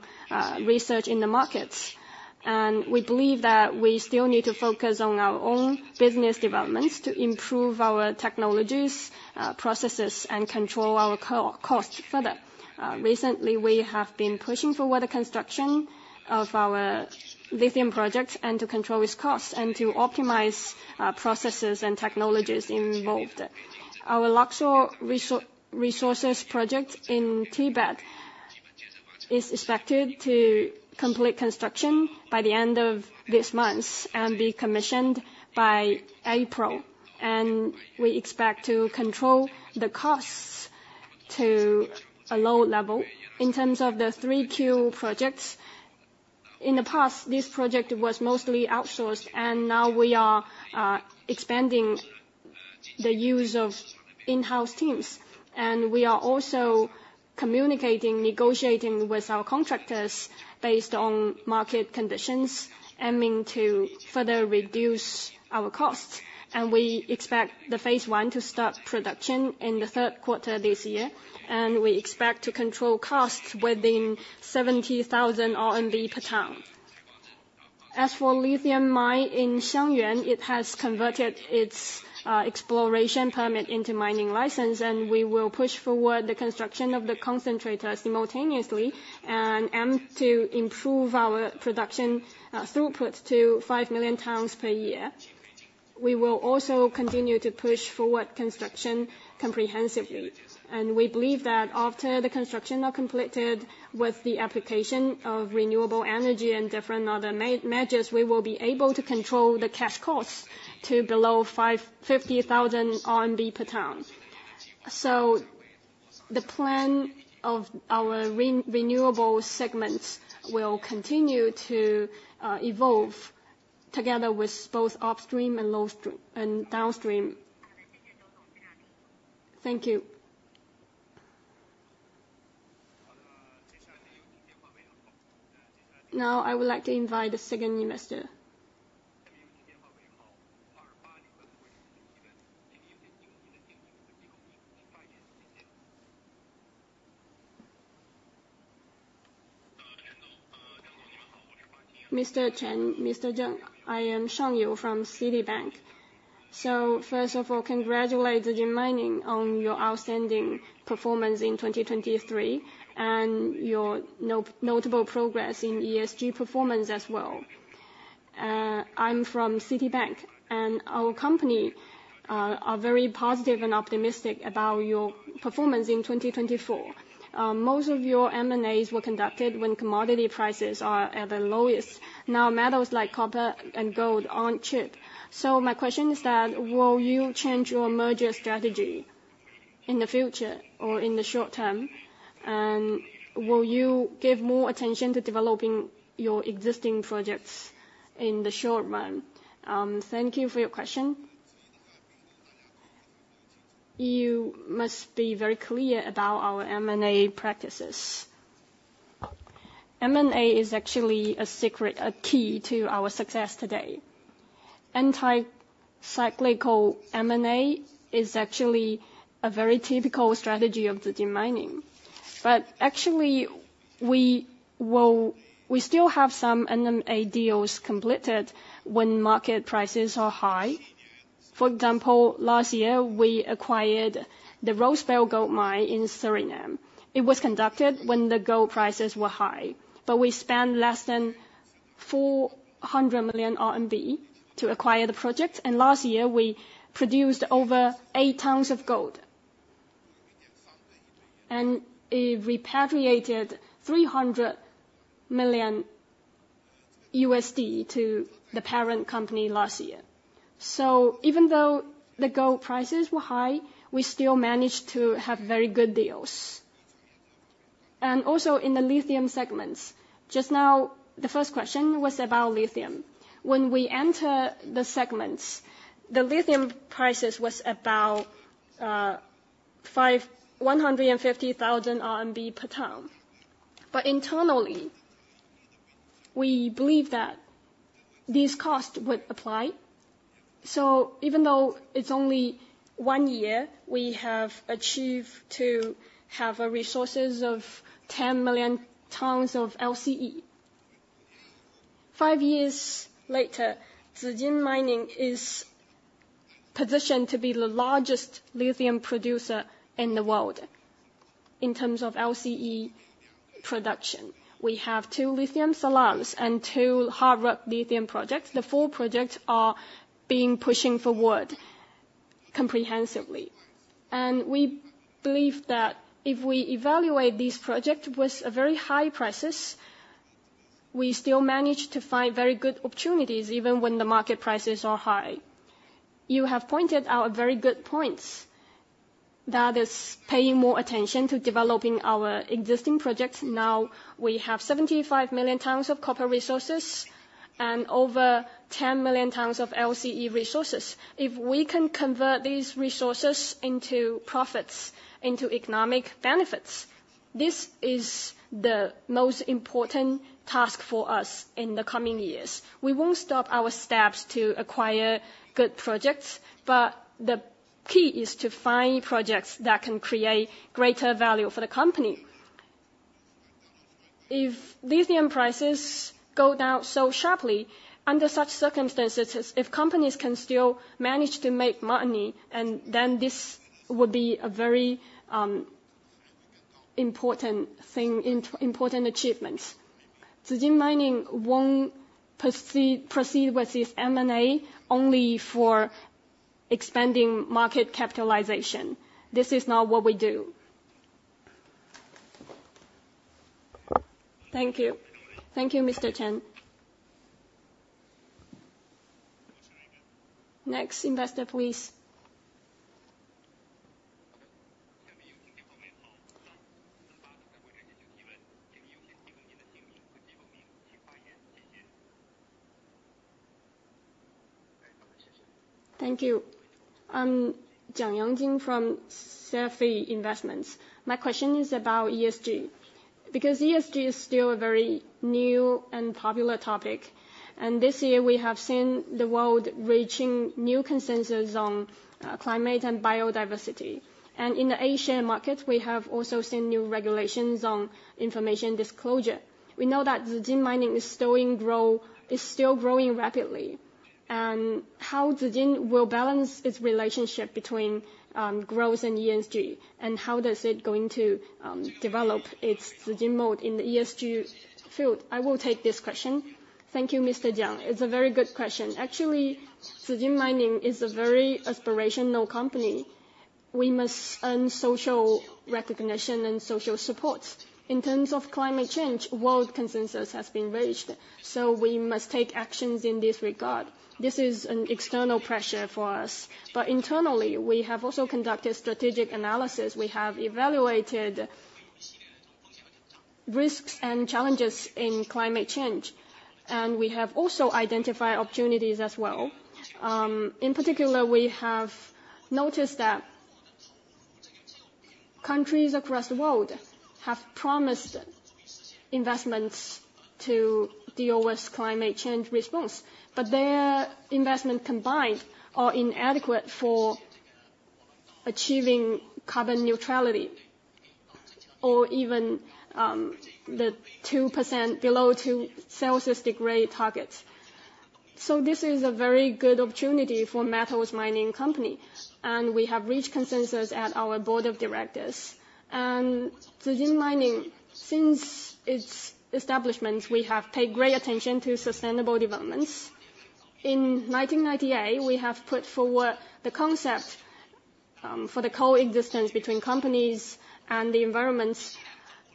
Speaker 7: research in the markets. And we believe that we still need to focus on our own business developments to improve our technologies, processes, and control our costs further. Recently, we have been pushing forward the construction of our lithium projects and to control its costs and to optimize processes and technologies involved. Our Lakkor Tso project in Tibet is expected to complete construction by the end of this month and be commissioned by April. We expect to control the costs to a low level in terms of the 3Q projects. In the past, this project was mostly outsourced. Now, we are expanding the use of in-house teams. We are also communicating, negotiating with our contractors based on market conditions, aiming to further reduce our costs. We expect phase one to start production in the third quarter this year. We expect to control costs within 70,000 RMB per tonne. As for lithium mine in Xiangyuan, it has converted its exploration permit into mining license. We will push forward the construction of the concentrators simultaneously and aim to improve our production throughput to 5 million tons per year. We will also continue to push forward construction comprehensively. We believe that after the construction is completed with the application of renewable energy and different other measures, we will be able to control the cash costs to below 50,000 RMB per tonne. The plan of our renewable segments will continue to evolve together with both upstream and downstream. Thank you.
Speaker 1: Now, I would like to invite the second investor.
Speaker 8: Mr. Zheng, I am Shang Yu from Citibank. So first of all, congratulate Zijin Mining on your outstanding performance in 2023 and your notable progress in ESG performance as well. I'm from Citibank. Our company is very positive and optimistic about your performance in 2024. Most of your M&As were conducted when commodity prices are at the lowest. Now, metals like copper and gold aren't cheap. So my question is that will you change your merger strategy in the future or in the short term? And will you give more attention to developing your existing projects in the short run?
Speaker 4: Thank you for your question. You must be very clear about our M&A practices. M&A is actually a key to our success today. Anti-cyclical M&A is actually a very typical strategy of Zijin Mining. But actually, we still have some M&A deals completed when market prices are high. For example, last year, we acquired the Rosebel Gold Mines in Suriname. It was conducted when the gold prices were high. But we spent less than 400 million RMB to acquire the project. And last year, we produced over eight tons of gold and repatriated $300 million to the parent company last year. So even though the gold prices were high, we still managed to have very good deals. And also in the lithium segments, just now, the first question was about lithium. When we entered the segments, the lithium prices were about CNY 150,000 per tonne. But internally, we believe that these costs would apply. So even though it's only one year, we have achieved to have resources of 10 million tons of LCE. Five years later, Zijin Mining is positioned to be the largest lithium producer in the world in terms of LCE production. We have two lithium salars and two hard rock lithium projects. The four projects are being pushed forward comprehensively. We believe that if we evaluate these projects with very high prices, we still manage to find very good opportunities even when the market prices are high. You have pointed out very good points. That is, paying more attention to developing our existing projects. Now, we have 75 million tons of copper resources and over 10 million tons of LCE resources. If we can convert these resources into profits, into economic benefits, this is the most important task for us in the coming years. We won't stop our steps to acquire good projects. But the key is to find projects that can create greater value for the company. If lithium prices go down so sharply, under such circumstances, if companies can still manage to make money, then this would be a very important achievement. Zijin Mining won't proceed with this M&A only for expanding market capitalization. This is not what we do. Thank you.
Speaker 8: Thank you, Mr. Chen.
Speaker 1: Next investor, please. Thank you. I'm Jiang Yangjing from Cephei Investments. My question is about ESG because ESG is still a very new and popular topic. This year, we have seen the world reaching new consensus on climate and biodiversity. In the Asia market, we have also seen new regulations on information disclosure. We know that Zijin Mining is still growing rapidly. How Zijin will balance its relationship between growth and ESG? How is it going to develop its Zijin mode in the ESG field?
Speaker 4: I will take this question. Thank you, Mr. Jiang. It's a very good question. Actually, Zijin Mining is a very aspirational company. We must earn social recognition and social support. In terms of climate change, world consensus has been reached. So we must take actions in this regard. This is an external pressure for us. Internally, we have also conducted strategic analysis. We have evaluated risks and challenges in climate change. We have also identified opportunities as well. In particular, we have noticed that countries across the world have promised investments to deal with climate change response. But their investments combined are inadequate for achieving carbon neutrality or even the well below 2 degrees Celsius targets. So this is a very good opportunity for a metals mining company. We have reached consensus at our board of directors. Zijin Mining, since its establishment, we have paid great attention to sustainable developments. In 1998, we have put forward the concept for the coexistence between companies and the environments,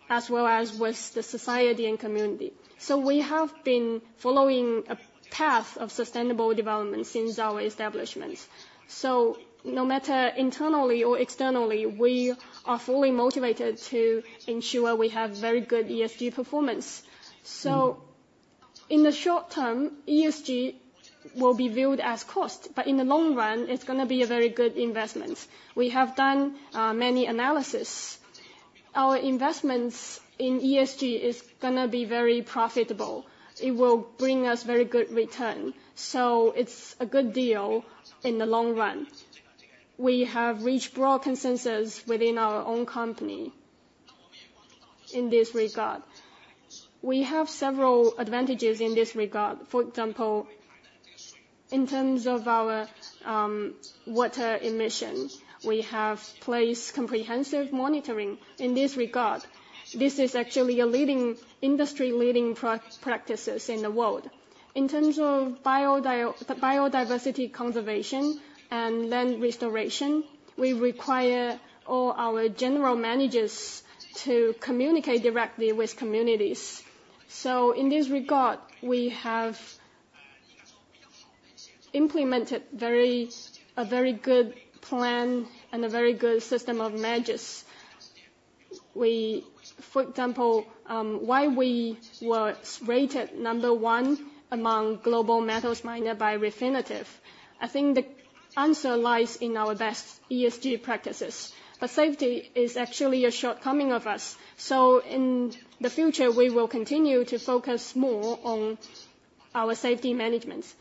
Speaker 4: as well as with the society and community. So we have been following a path of sustainable development since our establishment. So no matter internally or externally, we are fully motivated to ensure we have very good ESG performance. So in the short term, ESG will be viewed as cost. But in the long run, it's going to be a very good investment. We have done many analyses. Our investments in ESG are going to be very profitable. It will bring us very good return. So it's a good deal in the long run. We have reached broad consensus within our own company in this regard. We have several advantages in this regard. For example, in terms of our water emission, we have placed comprehensive monitoring in this regard. This is actually an industry-leading practice in the world. In terms of biodiversity conservation and land restoration, we require all our general managers to communicate directly with communities. So in this regard, we have implemented a very good plan and a very good system of measures. For example, why we were rated number one among global metals miners by Refinitiv, I think the answer lies in our best ESG practices. But safety is actually a shortcoming of us. So in the future, we will continue to focus more on our safety management.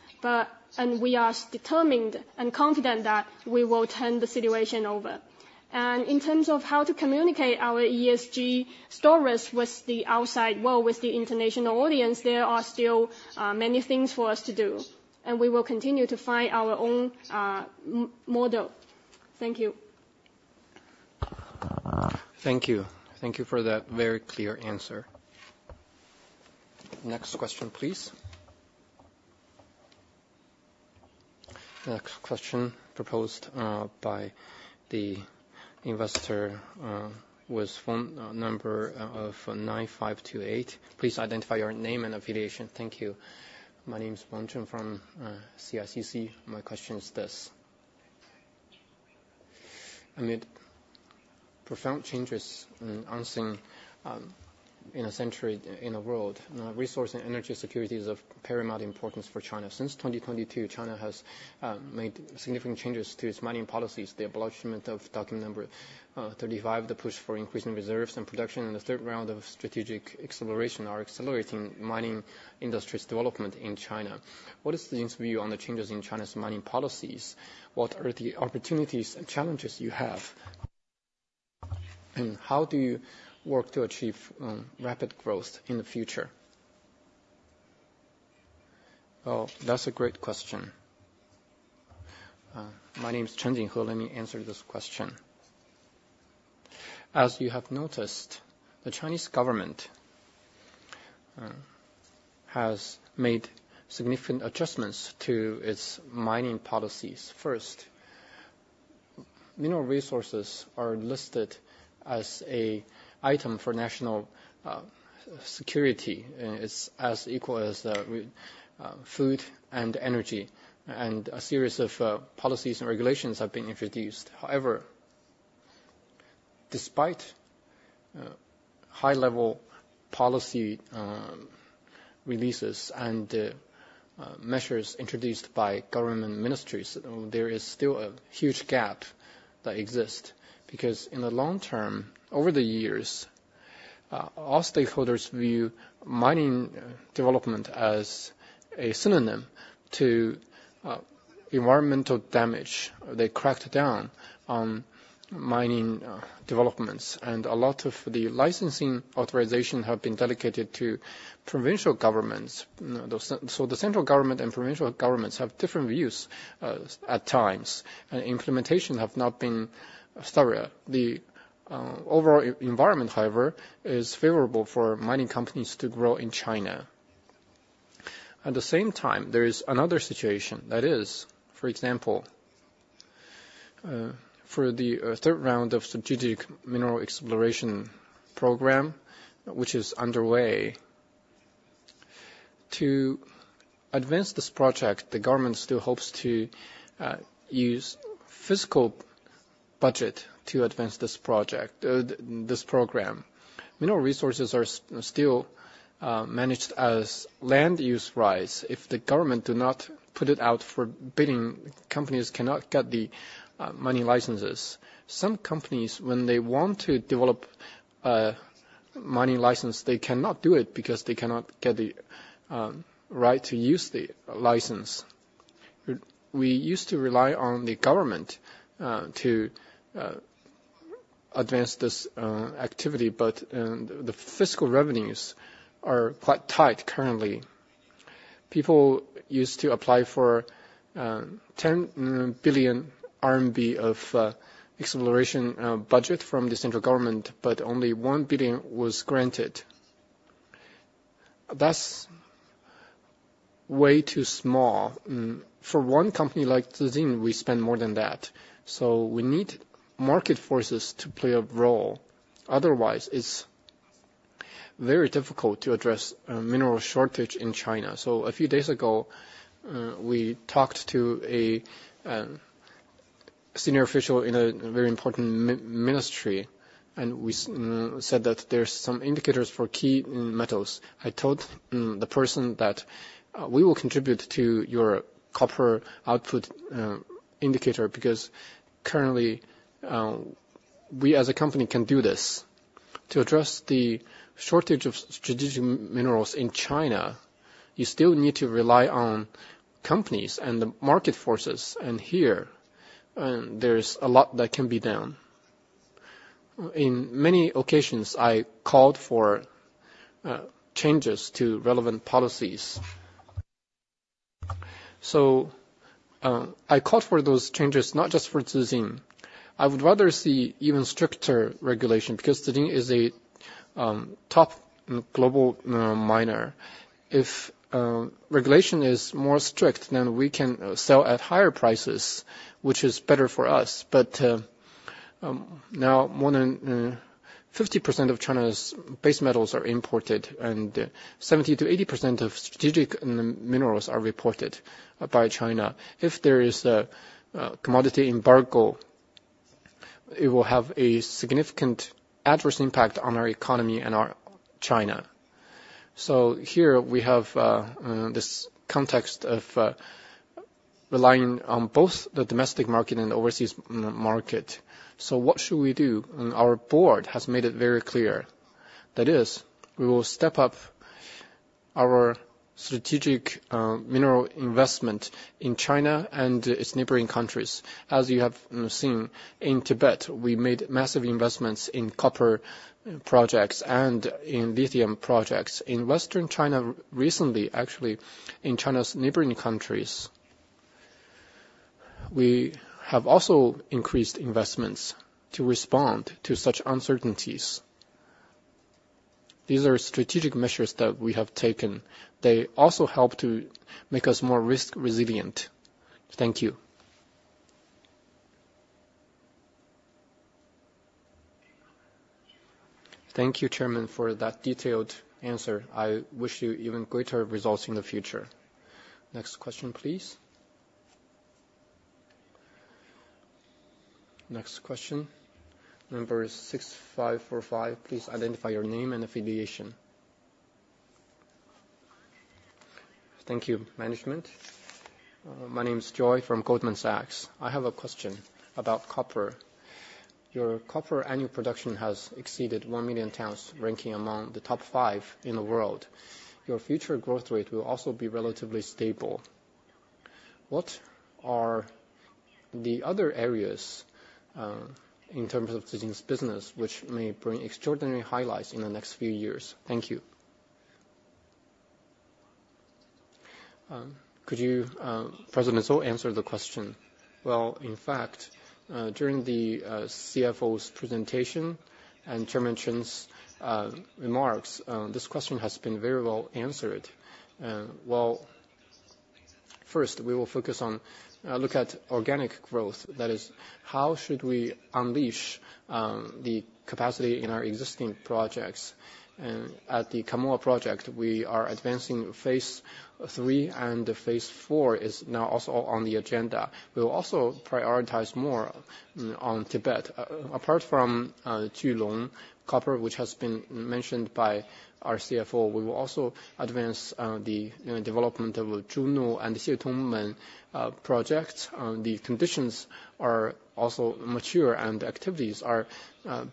Speaker 4: And we are determined and confident that we will turn the situation over. And in terms of how to communicate our ESG stories with the outside world, with the international audience, there are still many things for us to do. And we will continue to find our own model. Thank you.
Speaker 1: Thank you. Thank you for that very clear answer. Next question, please.
Speaker 5: Next question proposed by the investor was phone number 9528. Please identify your name and affiliation. Thank you.
Speaker 9: My name is Wang Zheng from CICC. My question is this. Amid profound changes in the world, resource and energy security is of paramount importance for China. Since 2022, China has made significant changes to its mining policies. The abolishment of Document Number 35, the push for increasing reserves and production, and the third round of strategic exploration are accelerating mining industry's development in China. What is Zijin's view on the changes in China's mining policies? What are the opportunities and challenges you have? And how do you work to achieve rapid growth in the future?
Speaker 4: Well, that's a great question. My name is Chen Jinghe. Let me answer this question. As you have noticed, the Chinese government has made significant adjustments to its mining policies. First, mineral resources are listed as an item for national security. It's as equal as food and energy. And a series of policies and regulations have been introduced. However, despite high-level policy releases and measures introduced by government ministries, there is still a huge gap that exists because in the long term, over the years, all stakeholders view mining development as a synonym to environmental damage. They cracked down on mining developments. And a lot of the licensing authorization has been dedicated to provincial governments. So the central government and provincial governments have different views at times. And implementation has not been steadier. The overall environment, however, is favorable for mining companies to grow in China. At the same time, there is another situation. That is, for example, for the third round of strategic mineral exploration program, which is underway, to advance this project, the government still hopes to use fiscal budget to advance this program. Mineral resources are still managed as land use rights. If the government does not put it out for bidding, companies cannot get the mining licenses. Some companies, when they want to develop a mining license, they cannot do it because they cannot get the right to use the license. We used to rely on the government to advance this activity. But the fiscal revenues are quite tight currently. People used to apply for 10 billion RMB of exploration budget from the central government. But only 1 billion was granted. That's way too small. For one company like Zijin, we spend more than that. So we need market forces to play a role. Otherwise, it's very difficult to address mineral shortage in China. So a few days ago, we talked to a senior official in a very important ministry. And we said that there are some indicators for key metals. I told the person that we will contribute to your copper output indicator because currently, we, as a company, can do this. To address the shortage of strategic minerals in China, you still need to rely on companies and the market forces. And here, there's a lot that can be done. In many occasions, I called for changes to relevant policies. So I called for those changes, not just for Zijin. I would rather see even stricter regulation because Zijin is a top global miner. If regulation is more strict, then we can sell at higher prices, which is better for us. But now, more than 50% of China's base metals are imported. 70%-80% of strategic minerals are reported by China. If there is a commodity embargo, it will have a significant adverse impact on our economy and on China. So here, we have this context of relying on both the domestic market and the overseas market. So what should we do? Our board has made it very clear. That is, we will step up our strategic mineral investment in China and its neighboring countries. As you have seen, in Tibet, we made massive investments in copper projects and in lithium projects. In Western China recently, actually, in China's neighboring countries, we have also increased investments to respond to such uncertainties. These are strategic measures that we have taken. They also help to make us more risk-resilient. Thank you.
Speaker 9: Thank you, Chairman, for that detailed answer. I wish you even greater results in the future.
Speaker 1: Next question, please.
Speaker 5: Next question, number 6545. Please identify your name and affiliation.
Speaker 10: Thank you, management. My name is Joy from Goldman Sachs. I have a question about copper. Your copper annual production has exceeded 1 million pounds, ranking among the top five in the world. Your future growth rate will also be relatively stable. What are the other areas in terms of Zijin's business which may bring extraordinary highlights in the next few years? Thank you.
Speaker 1: Could you, President Zou, answer the question?
Speaker 7: Well, in fact, during the CFO's presentation and Chairman Chen's remarks, this question has been very well answered. Well, first, we will look at organic growth. That is, how should we unleash the capacity in our existing projects? And at the Kamoa project, we are advancing phase III. And phase IV is now also on the agenda. We will also prioritize more on Tibet. Apart from Julong Copper, which has been mentioned by our CFO, we will also advance the development of the Zhunuo and Xietongmen projects. The conditions are also mature. The activities are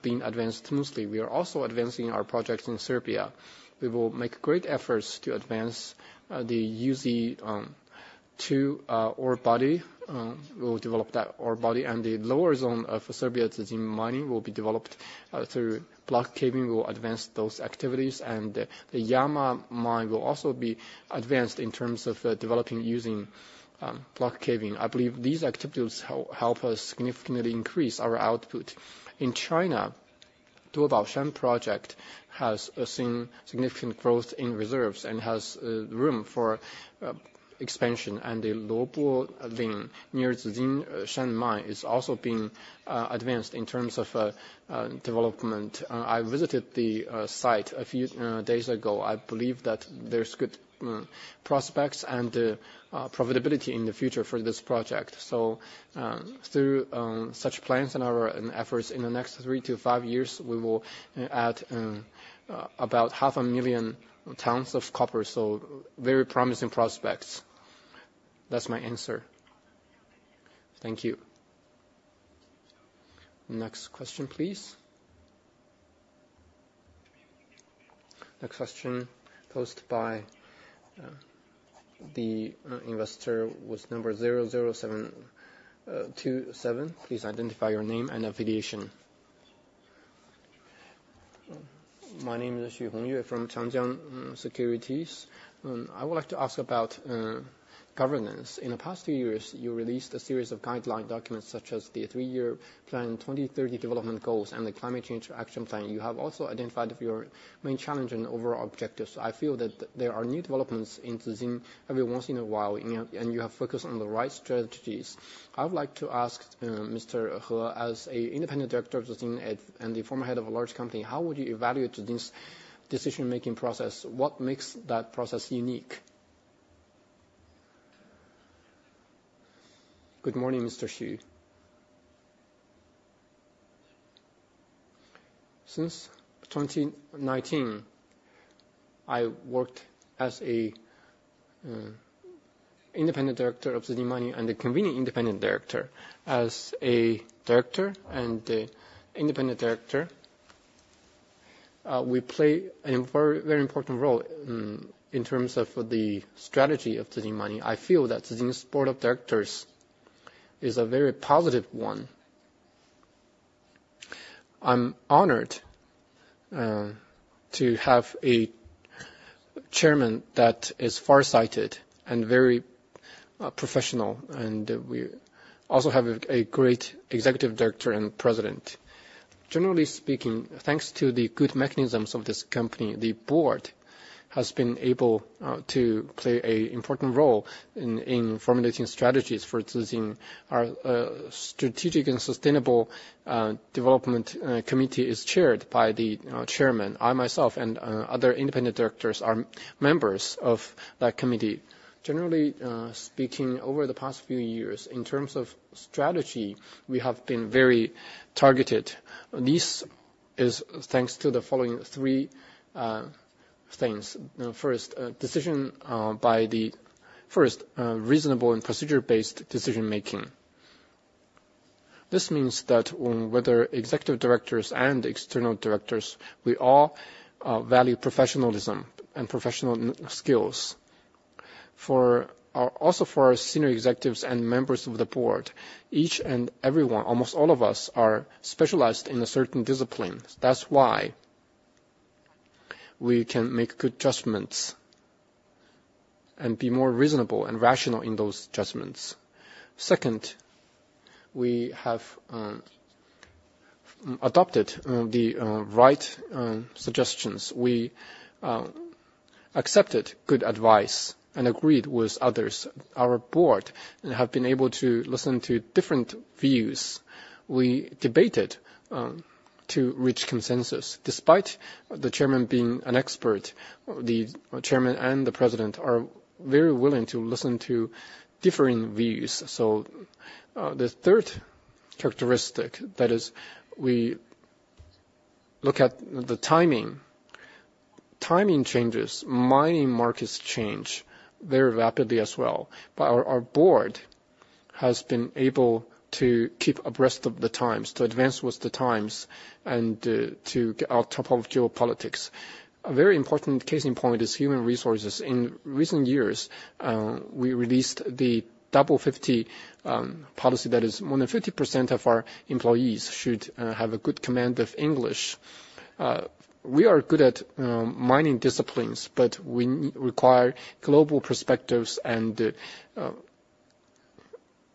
Speaker 7: being advanced smoothly. We are also advancing our projects in Serbia. We will make great efforts to advance the UZ2 ore body. We will develop that ore body. The lower zone of Serbia's Zijin Mining will be developed through block caving. We will advance those activities. The Jama mine will also be advanced in terms of developing using block caving. I believe these activities help us significantly increase our output. In China, Duobaoshan project has seen significant growth in reserves and has room for expansion. The Luobuling near Zijinshan mine is also being advanced in terms of development. I visited the site a few days ago. I believe that there's good prospects and profitability in the future for this project. So through such plans and efforts in the next 3-5 years, we will add about 500,000 pounds of copper. So very promising prospects. That's my answer. Thank you.
Speaker 1: Next question, please.
Speaker 5: Next question posed by the investor was number 00727. Please identify your name and affiliation.
Speaker 11: My name is Xionghui from Changjiang Securities. I would like to ask about governance. In the past few years, you released a series of guideline documents such as the Three-Year Plan, 2030 Development Goals, and the Climate Change Action Plan. You have also identified your main challenge and overall objectives. I feel that there are new developments in Zijin every once in a while. And you have focused on the right strategies. I would like to ask Mr. He, as an independent director of Zijin and the former head of a large company, how would you evaluate Zijin's decision-making process? What makes that process unique?
Speaker 1: Good morning, Mr. Xu. Since 2019, I worked as an independent director of Zijin Mining and a chief independent director. As a director and an independent director, we play a very important role in terms of the strategy of Zijin Mining. I feel that Zijin's board of directors is a very positive one. I'm honored to have a chairman that is farsighted and very professional. We also have a great executive director and president. Generally speaking, thanks to the good mechanisms of this company, the board has been able to play an important role in formulating strategies for Zijin. Our Strategic and Sustainable Development Committee is chaired by the chairman. I, myself, and other independent directors are members of that committee. Generally speaking, over the past few years, in terms of strategy, we have been very targeted. This is thanks to the following three things. First, reasonable and procedure-based decision-making. This means that whether executive directors and external directors, we all value professionalism and professional skills. Also for our senior executives and members of the board, each and everyone, almost all of us, are specialized in a certain discipline. That's why we can make good judgments and be more reasonable and rational in those judgments. Second, we have adopted the right suggestions. We accepted good advice and agreed with others. Our board has been able to listen to different views. We debated to reach consensus. Despite the Chairman being an expert, the Chairman and the President are very willing to listen to differing views. So the third characteristic, that is, we look at the timing. Timing changes. Mining markets change very rapidly as well. But our board has been able to keep abreast of the times, to advance with the times, and to get on top of geopolitics. A very important case in point is human resources. In recent years, we released the double 50 policy that is more than 50% of our employees should have a good command of English. We are good at mining disciplines. But we require global perspectives and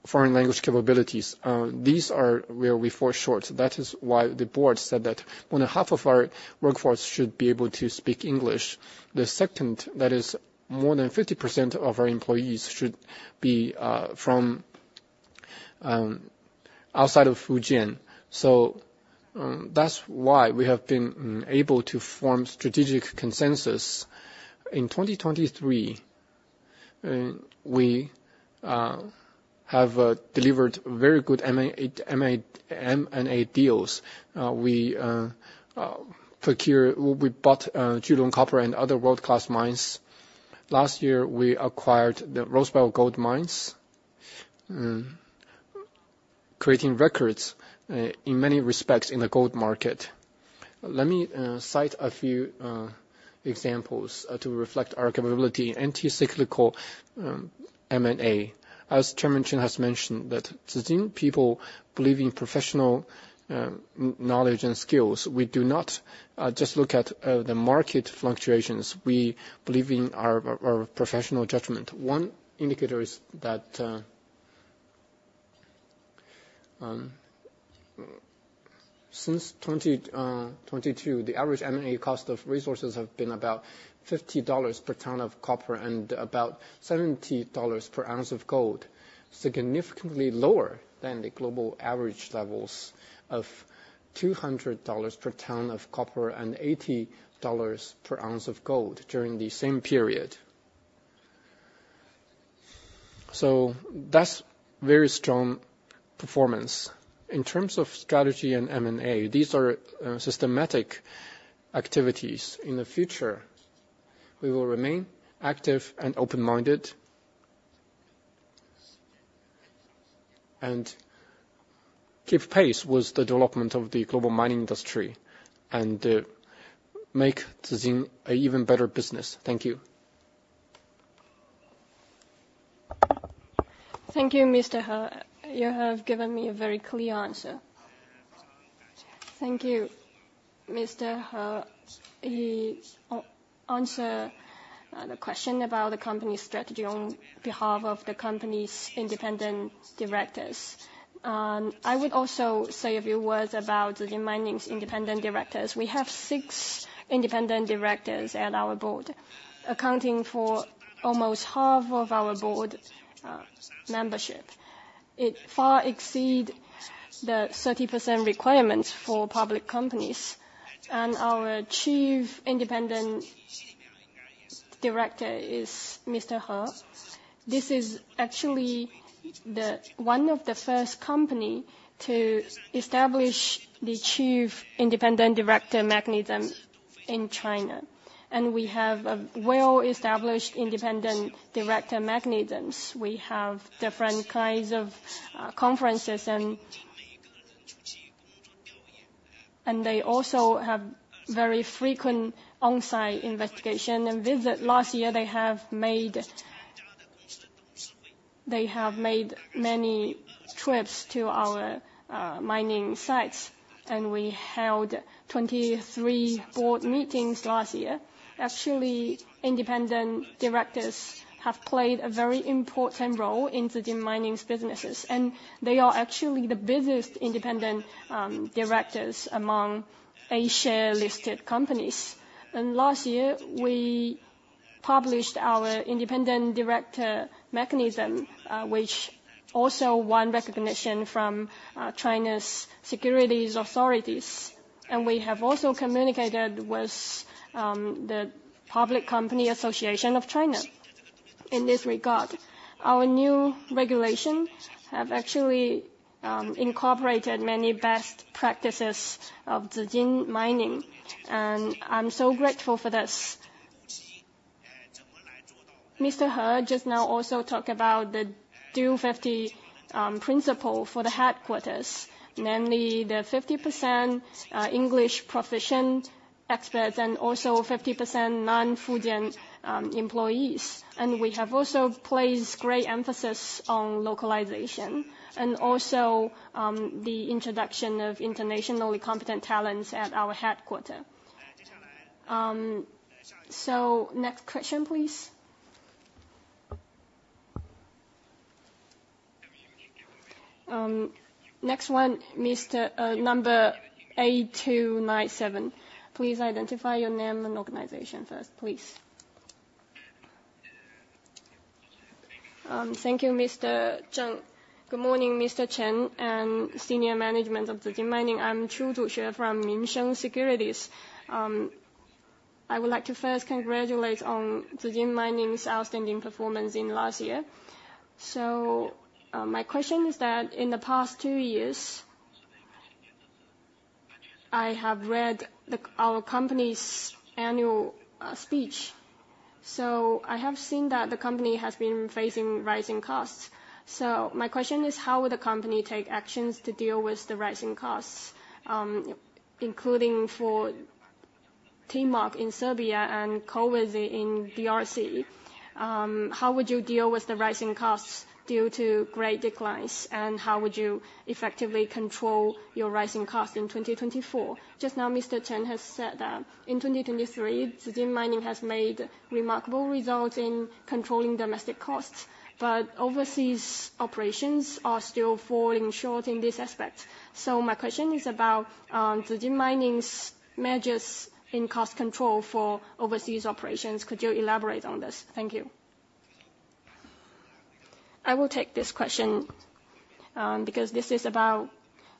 Speaker 1: foreign language capabilities. These are where we fall short. That is why the board said that more than half of our workforce should be able to speak English. The second, that is, more than 50% of our employees should be outside of Fujian. So that's why we have been able to form strategic consensus. In 2023, we have delivered very good M&A deals. We bought Qulong copper and other world-class mines. Last year, we acquired the Rosebel Gold Mines, creating records in many respects in the gold market. Let me cite a few examples to reflect our capability in anti-cyclical M&A. As Chairman Chen has mentioned, the Zijin people believe in professional knowledge and skills. We do not just look at the market fluctuations. We believe in our professional judgment. One indicator is that since 2022, the average M&A cost of resources has been about $50 per ton of copper and about $70 per ounce of gold, significantly lower than the global average levels of $200 per ton of copper and $80 per ounce of gold during the same period. So that's very strong performance. In terms of strategy and M&A, these are systematic activities. In the future, we will remain active and open-minded and keep pace with the development of the global mining industry and make Zijin an even better business. Thank you. Thank you, Mr. He. You have given me a very clear answer. Thank you, Mr. He. He answered the question about the company's strategy on behalf of the company's independent directors. I would also say a few words about Zijin Mining's independent directors. We have six independent directors at our board, accounting for almost half of our board membership. It far exceeds the 30% requirements for public companies. Our chief independent director is Mr. He. This is actually one of the first companies to establish the chief independent director mechanism in China. We have well-established independent director mechanisms. We have different kinds of conferences. They also have very frequent on-site investigation and visits. Last year, they have made many trips to our mining sites. We held 23 board meetings last year. Actually, independent directors have played a very important role in Zijin Mining's businesses. They are actually the busiest independent directors among Asia-listed companies. Last year, we published our independent director mechanism, which also won recognition from China's securities authorities. We have also communicated with the Public Company Association of China in this regard. Our new regulations have actually incorporated many best practices of Zijin Mining. I'm so grateful for this. Mr. He just now also talked about the dual 50 principle for the headquarters, namely the 50% English proficient experts and also 50% non-Fujian employees. We have also placed great emphasis on localization and also the introduction of internationally competent talents at our headquarters. So next question, please.
Speaker 5: Next one, number 8297. Please identify your name and organization first, please.
Speaker 12: Thank you, Mr. Chen. Good morning, Mr. Chen and senior management of Zijin Mining. I'm Qiu Zuxue from Minsheng Securities. I would like to first congratulate on Zijin Mining's outstanding performance last year. So my question is that in the past two years, I have read our company's annual speech. So I have seen that the company has been facing rising costs. So my question is, how would the company take actions to deal with the rising costs, including for Timok in Serbia and Kolwezi in DRC? How would you deal with the rising costs due to great declines? And how would you effectively control your rising costs in 2024? Just now, Mr. Chen has said that in 2023, Zijin Mining has made remarkable results in controlling domestic costs. But overseas operations are still falling short in this aspect. So my question is about Zijin Mining's measures in cost control for overseas operations. Could you elaborate on this? Thank you.
Speaker 2: I will take this question because this is about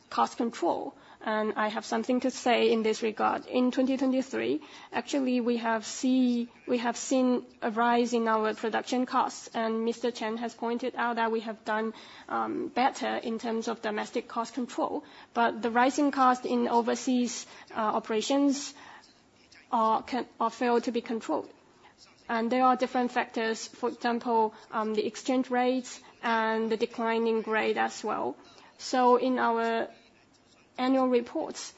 Speaker 2: cost control. And I have something to say in this regard. In 2023, actually, we have seen a rise in our production costs. And Mr. Chen has pointed out that we have done better in terms of domestic cost control. But the rising costs in overseas operations fail to be controlled. And there are different factors, for example, the exchange rates and the declining grade as well. So in our annual reports,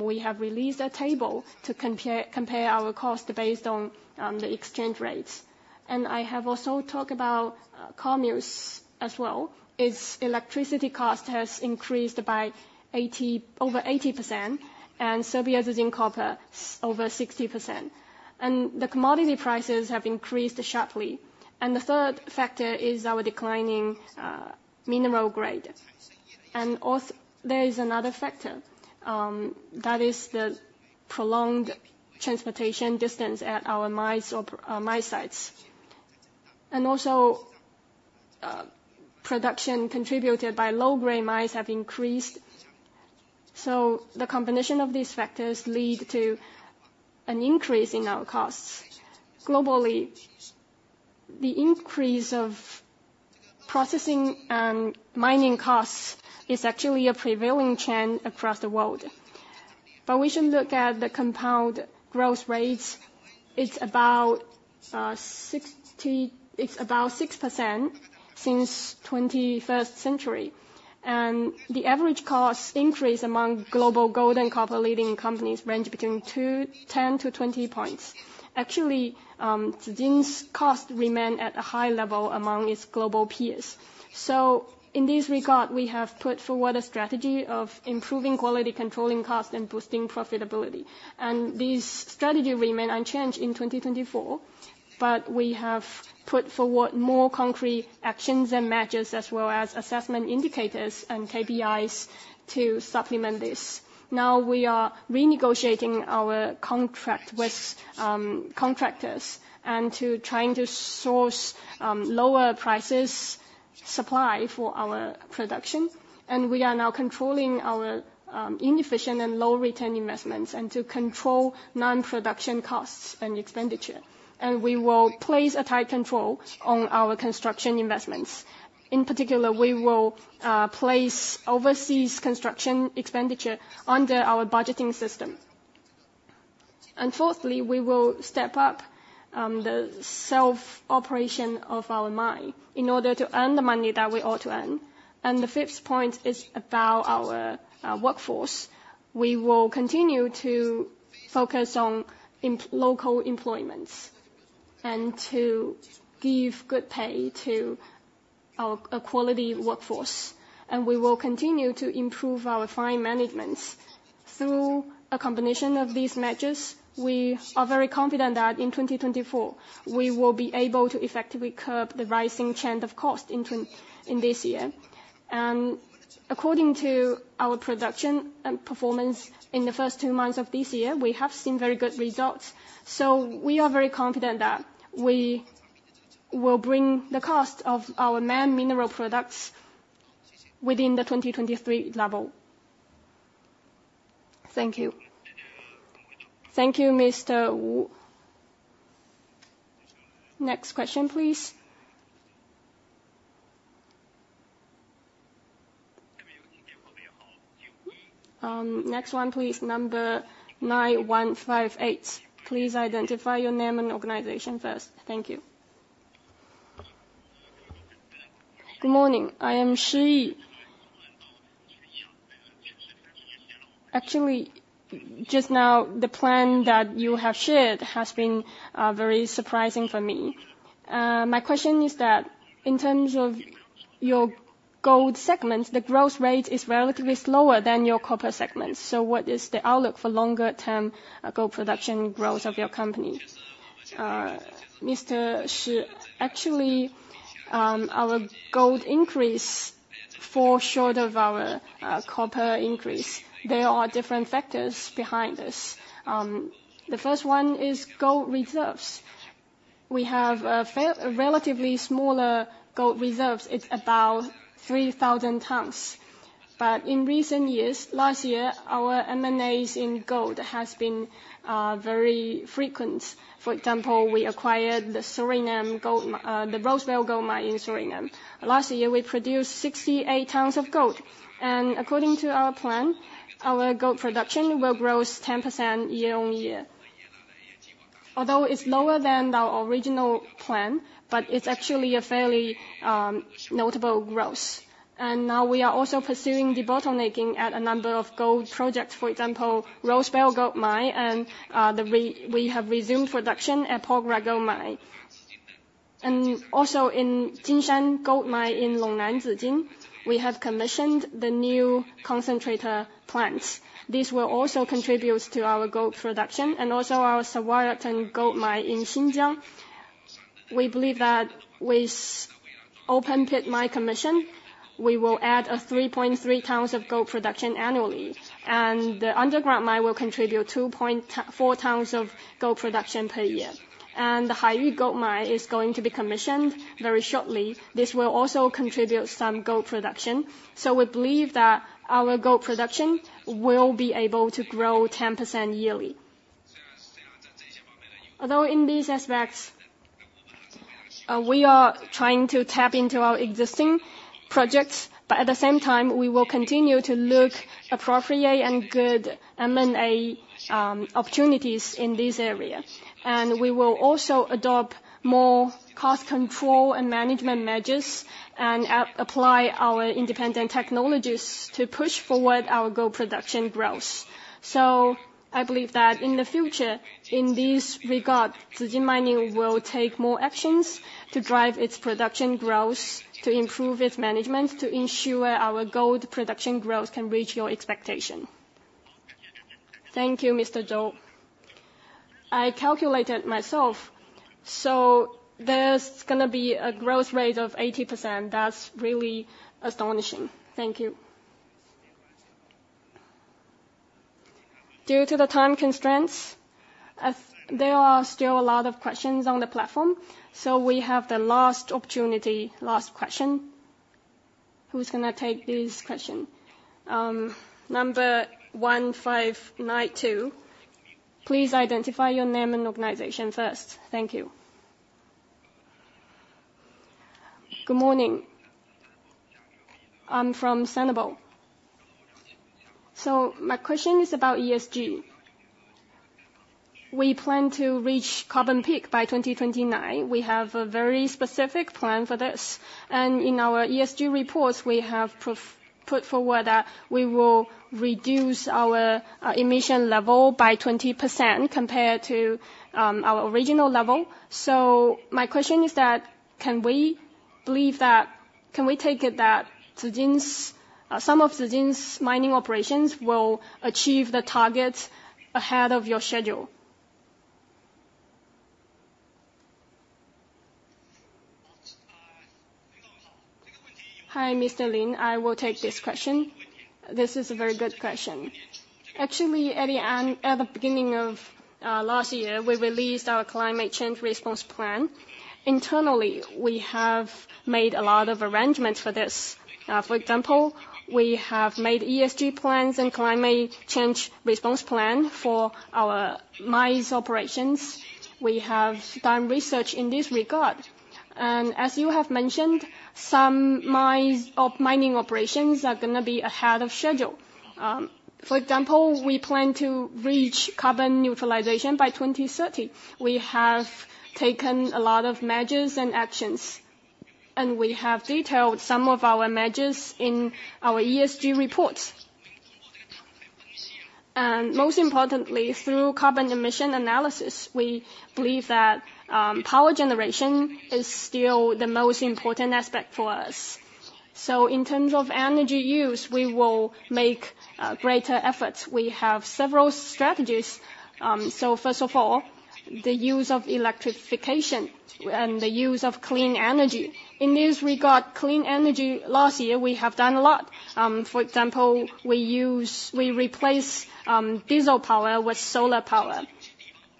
Speaker 2: we have released a table to compare our costs based on the exchange rates. And I have also talked about COMMUS as well. Its electricity cost has increased by over 80% and Serbia's Zijin Copper, over 60%. And the commodity prices have increased sharply. The third factor is our declining mineral grade. There is another factor. That is the prolonged transportation distance at our mine sites. Production contributed by low-grade mines has increased. So the combination of these factors leads to an increase in our costs. Globally, the increase of processing and mining costs is actually a prevailing trend across the world. But we should look at the compound growth rates. It's about 6% since the 21st century. The average cost increase among global gold and copper-leading companies range between 10-20 points. Actually, Zijin's costs remain at a high level among its global peers. So in this regard, we have put forward a strategy of improving quality, controlling costs, and boosting profitability. These strategies remain unchanged in 2024. But we have put forward more concrete actions and measures as well as assessment indicators and KPIs to supplement this. Now, we are renegotiating our contract with contractors and trying to source lower-priced supply for our production. We are now controlling our inefficient and low-return investments and to control non-production costs and expenditure. We will place a tight control on our construction investments. In particular, we will place overseas construction expenditure under our budgeting system. Fourthly, we will step up the self-operation of our mine in order to earn the money that we ought to earn. The fifth point is about our workforce. We will continue to focus on local employments and to give good pay to a quality workforce. We will continue to improve our fine management. Through a combination of these measures, we are very confident that in 2024, we will be able to effectively curb the rising trend of costs in this year. And according to our production performance in the first two months of this year, we have seen very good results. So we are very confident that we will bring the cost of our main mineral products within the 2023 level. Thank you.
Speaker 1: Thank you, Mr. Wu. Next question, please.
Speaker 13: Next one, please, number 9158. Please identify your name and organization first. Thank you. Good morning. I am Shi Yi. Actually, just now, the plan that you have shared has been very surprising for me. My question is that in terms of your gold segment, the growth rate is relatively slower than your copper segment. So what is the outlook for longer-term gold production growth of your company? Mr. Shi, actually, our gold increase falls short of our copper increase. There are different factors behind this. The first one is gold reserves. We have relatively smaller gold reserves. It's about 3,000 tons. But in recent years, last year, our M&As in gold have been very frequent. For example, we acquired the Rosebel Gold Mine in Suriname. Last year, we produced 68 tons of gold. And according to our plan, our gold production will grow 10% year-on-year, although it's lower than our original plan. But it's actually a fairly notable growth. And now, we are also pursuing debottlenecking at a number of gold projects, for example, Rosebel Gold Mine. And we have resumed production at Porgera Gold Mine. And also, in Jinshan Gold Mine in Longnan Zijin, we have commissioned the new concentrator plants. This will also contribute to our gold production and also our Sawayaerdun Gold Mine in Xinjiang. We believe that with open-pit mine commission, we will add 3.3 tons of gold production annually. The underground mine will contribute 4 tons of gold production per year. The Haiyu Gold Mine is going to be commissioned very shortly. This will also contribute some gold production. We believe that our gold production will be able to grow 10% yearly. Although in these aspects, we are trying to tap into our existing projects. At the same time, we will continue to look for appropriate and good M&A opportunities in this area. We will also adopt more cost control and management measures and apply our independent technologies to push forward our gold production growth. So I believe that in the future, in this regard, Zijin Mining will take more actions to drive its production growth, to improve its management, to ensure our gold production growth can reach your expectation. Thank you, Mr. Zou. I calculated myself. So there's going to be a growth rate of 80%. That's really astonishing. Thank you.
Speaker 1: Due to the time constraints, there are still a lot of questions on the platform. So we have the last opportunity, last question. Who's going to take this question?
Speaker 5: Number 1592. Please identify your name and organization first. Thank you.
Speaker 14: Good morning. I'm from Senebo. So my question is about ESG. We plan to reach carbon peak by 2029. We have a very specific plan for this. And in our ESG reports, we have put forward that we will reduce our emission level by 20% compared to our original level. So my question is that can we believe that can we take it that some of Zijin's mining operations will achieve the targets ahead of your schedule?
Speaker 2: Hi, Mr. Lin. I will take this question. This is a very good question. Actually, at the beginning of last year, we released our climate change response plan. Internally, we have made a lot of arrangements for this. For example, we have made ESG plans and climate change response plans for our mines operations. We have done research in this regard. And as you have mentioned, some mining operations are going to be ahead of schedule. For example, we plan to reach carbon neutrality by 2030. We have taken a lot of measures and actions. And we have detailed some of our measures in our ESG reports. Most importantly, through carbon emission analysis, we believe that power generation is still the most important aspect for us. In terms of energy use, we will make greater efforts. We have several strategies. First of all, the use of electrification and the use of clean energy. In this regard, clean energy last year, we have done a lot. For example, we replace diesel power with solar power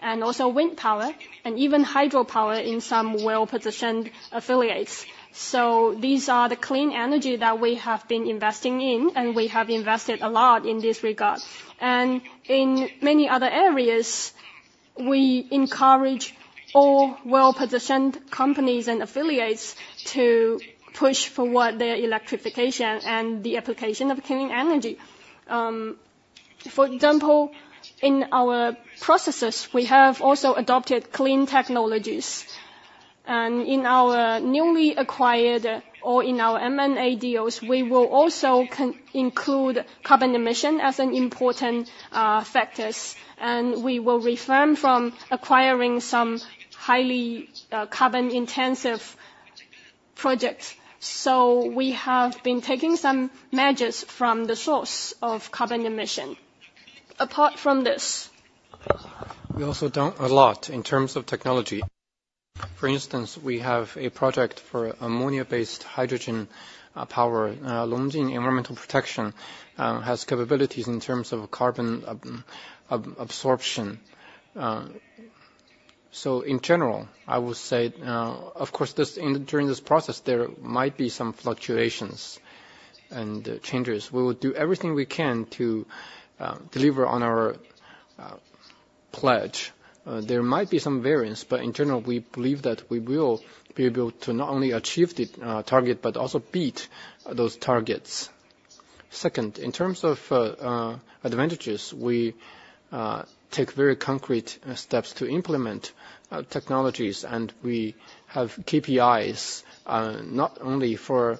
Speaker 2: and also wind power and even hydropower in some well-positioned affiliates. These are the clean energy that we have been investing in. We have invested a lot in this regard. In many other areas, we encourage all well-positioned companies and affiliates to push for their electrification and the application of clean energy. For example, in our processes, we have also adopted clean technologies. In our newly acquired or in our M&A deals, we will also include carbon emission as an important factor. We will refrain from acquiring some highly carbon-intensive projects. We have been taking some measures from the source of carbon emission. Apart from this, we also done a lot in terms of technology. For instance, we have a project for ammonia-based hydrogen power. Longjing Environmental Protection has capabilities in terms of carbon absorption. So in general, I would say, of course, during this process, there might be some fluctuations and changes. We will do everything we can to deliver on our pledge. There might be some variance. But in general, we believe that we will be able to not only achieve the target but also beat those targets. Second, in terms of advantages, we take very concrete steps to implement technologies. We have KPIs not only for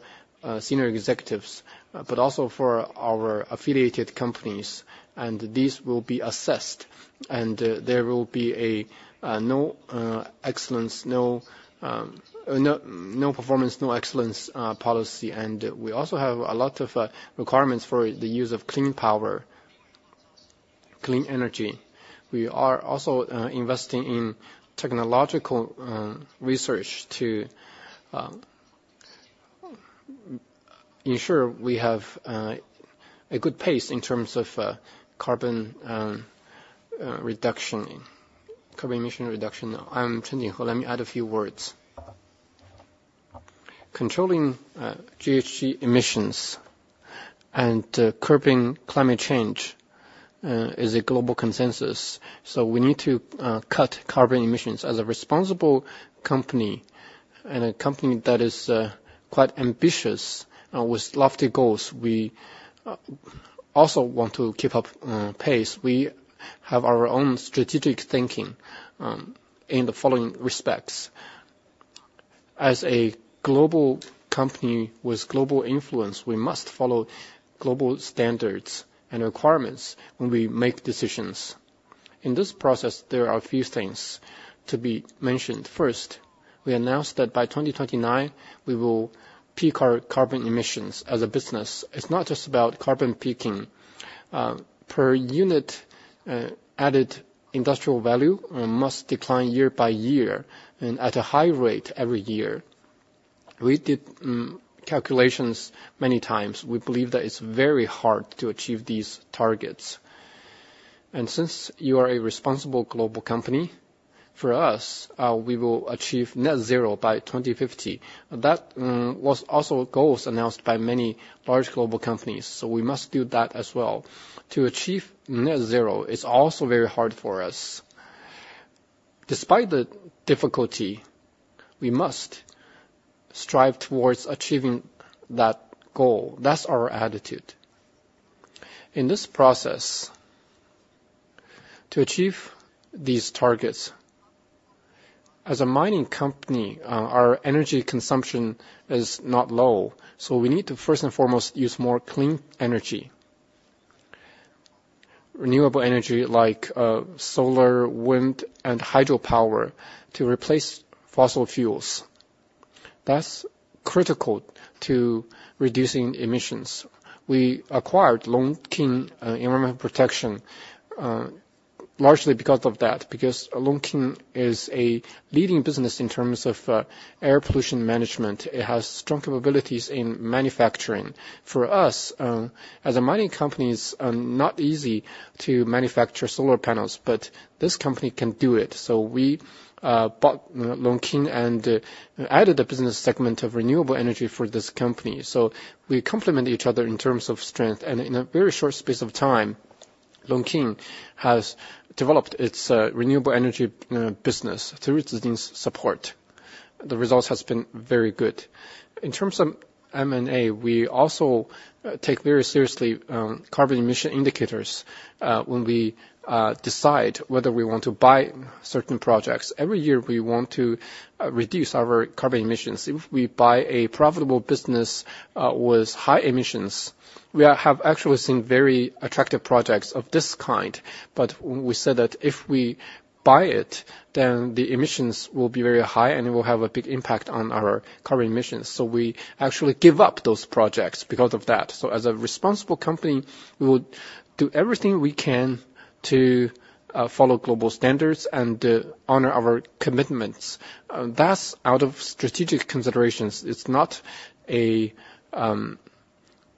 Speaker 2: senior executives but also for our affiliated companies. These will be assessed. There will be a no-excellence, no-performance, no-excellence policy. We also have a lot of requirements for the use of clean power, clean energy. We are also investing in technological research to ensure we have a good pace in terms of carbon emission reduction. I'm Chen Jinghe. Let me add a few words. Controlling GHG emissions and curbing climate change is a global consensus. So we need to cut carbon emissions. As a responsible company and a company that is quite ambitious with lofty goals, we also want to keep up pace. We have our own strategic thinking in the following respects. As a global company with global influence, we must follow global standards and requirements when we make decisions. In this process, there are a few things to be mentioned. First, we announced that by 2029, we will peak our carbon emissions as a business. It's not just about carbon peaking. Per unit added industrial value must decline year by year and at a high rate every year. We did calculations many times. We believe that it's very hard to achieve these targets. And since you are a responsible global company, for us, we will achieve net zero by 2050. That was also a goal announced by many large global companies. So we must do that as well. To achieve net zero is also very hard for us. Despite the difficulty, we must strive towards achieving that goal. That's our attitude. In this process, to achieve these targets, as a mining company, our energy consumption is not low. So we need to, first and foremost, use more clean energy, renewable energy like solar, wind, and hydropower to replace fossil fuels. That's critical to reducing emissions. We acquired Longjing Environmental Protection largely because of that, because Longjing is a leading business in terms of air pollution management. It has strong capabilities in manufacturing. For us, as a mining company, it's not easy to manufacture solar panels. But this company can do it. So we bought Longjing and added a business segment of renewable energy for this company. So we complement each other in terms of strength. And in a very short space of time, Longjing has developed its renewable energy business through Zijin's support. The result has been very good. In terms of M&A, we also take very seriously carbon emission indicators when we decide whether we want to buy certain projects. Every year, we want to reduce our carbon emissions. If we buy a profitable business with high emissions, we have actually seen very attractive projects of this kind. But we said that if we buy it, then the emissions will be very high, and it will have a big impact on our carbon emissions. So we actually give up those projects because of that. So as a responsible company, we will do everything we can to follow global standards and honor our commitments. That's out of strategic considerations. It's not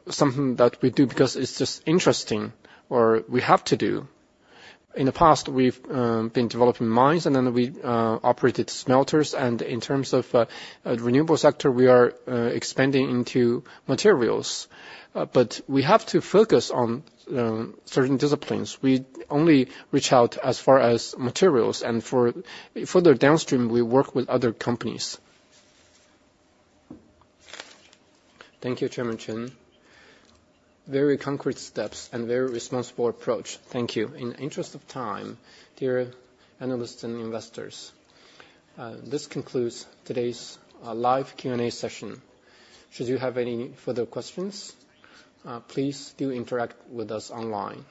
Speaker 2: something that we do because it's just interesting or we have to do. In the past, we've been developing mines, and then we operated smelters. In terms of the renewable sector, we are expanding into materials. But we have to focus on certain disciplines. We only reach out as far as materials. Further downstream, we work with other companies.
Speaker 1: Thank you, Chairman Chen. Very concrete steps and very responsible approach. Thank you. In the interest of time, dear analysts and investors, this concludes today's live Q&A session. Should you have any further questions, please do interact with us online.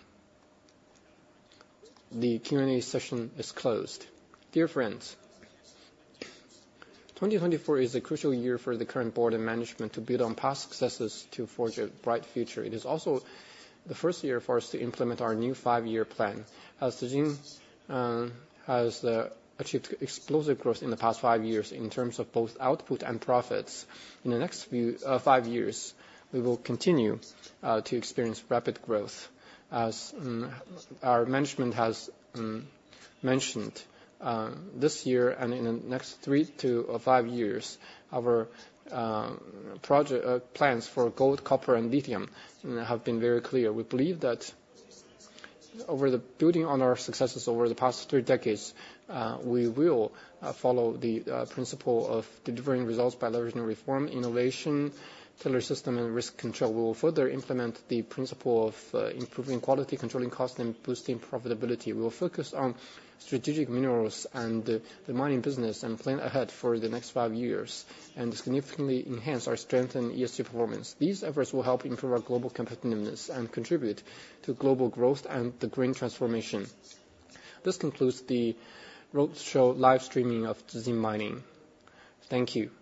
Speaker 5: The Q&A session is closed.
Speaker 4: Dear friends, 2024 is a crucial year for the current board and management to build on past successes to forge a bright future. It is also the first year for us to implement our new five-year plan. As Zijin has achieved explosive growth in the past five years in terms of both output and profits, in the next five years, we will continue to experience rapid growth. As our management has mentioned, this year and in the next three to five years, our plans for gold, copper, and lithium have been very clear. We believe that by building on our successes over the past three decades, we will follow the principle of delivering results by leveraging reform, innovation, tailored system, and risk control. We will further implement the principle of improving quality, controlling cost, and boosting profitability. We will focus on strategic minerals and the mining business and plan ahead for the next five years and significantly enhance or strengthen ESG performance. These efforts will help improve our global competitiveness and contribute to global growth and the green transformation. This concludes the roadshow live streaming of Zijin Mining. Thank you.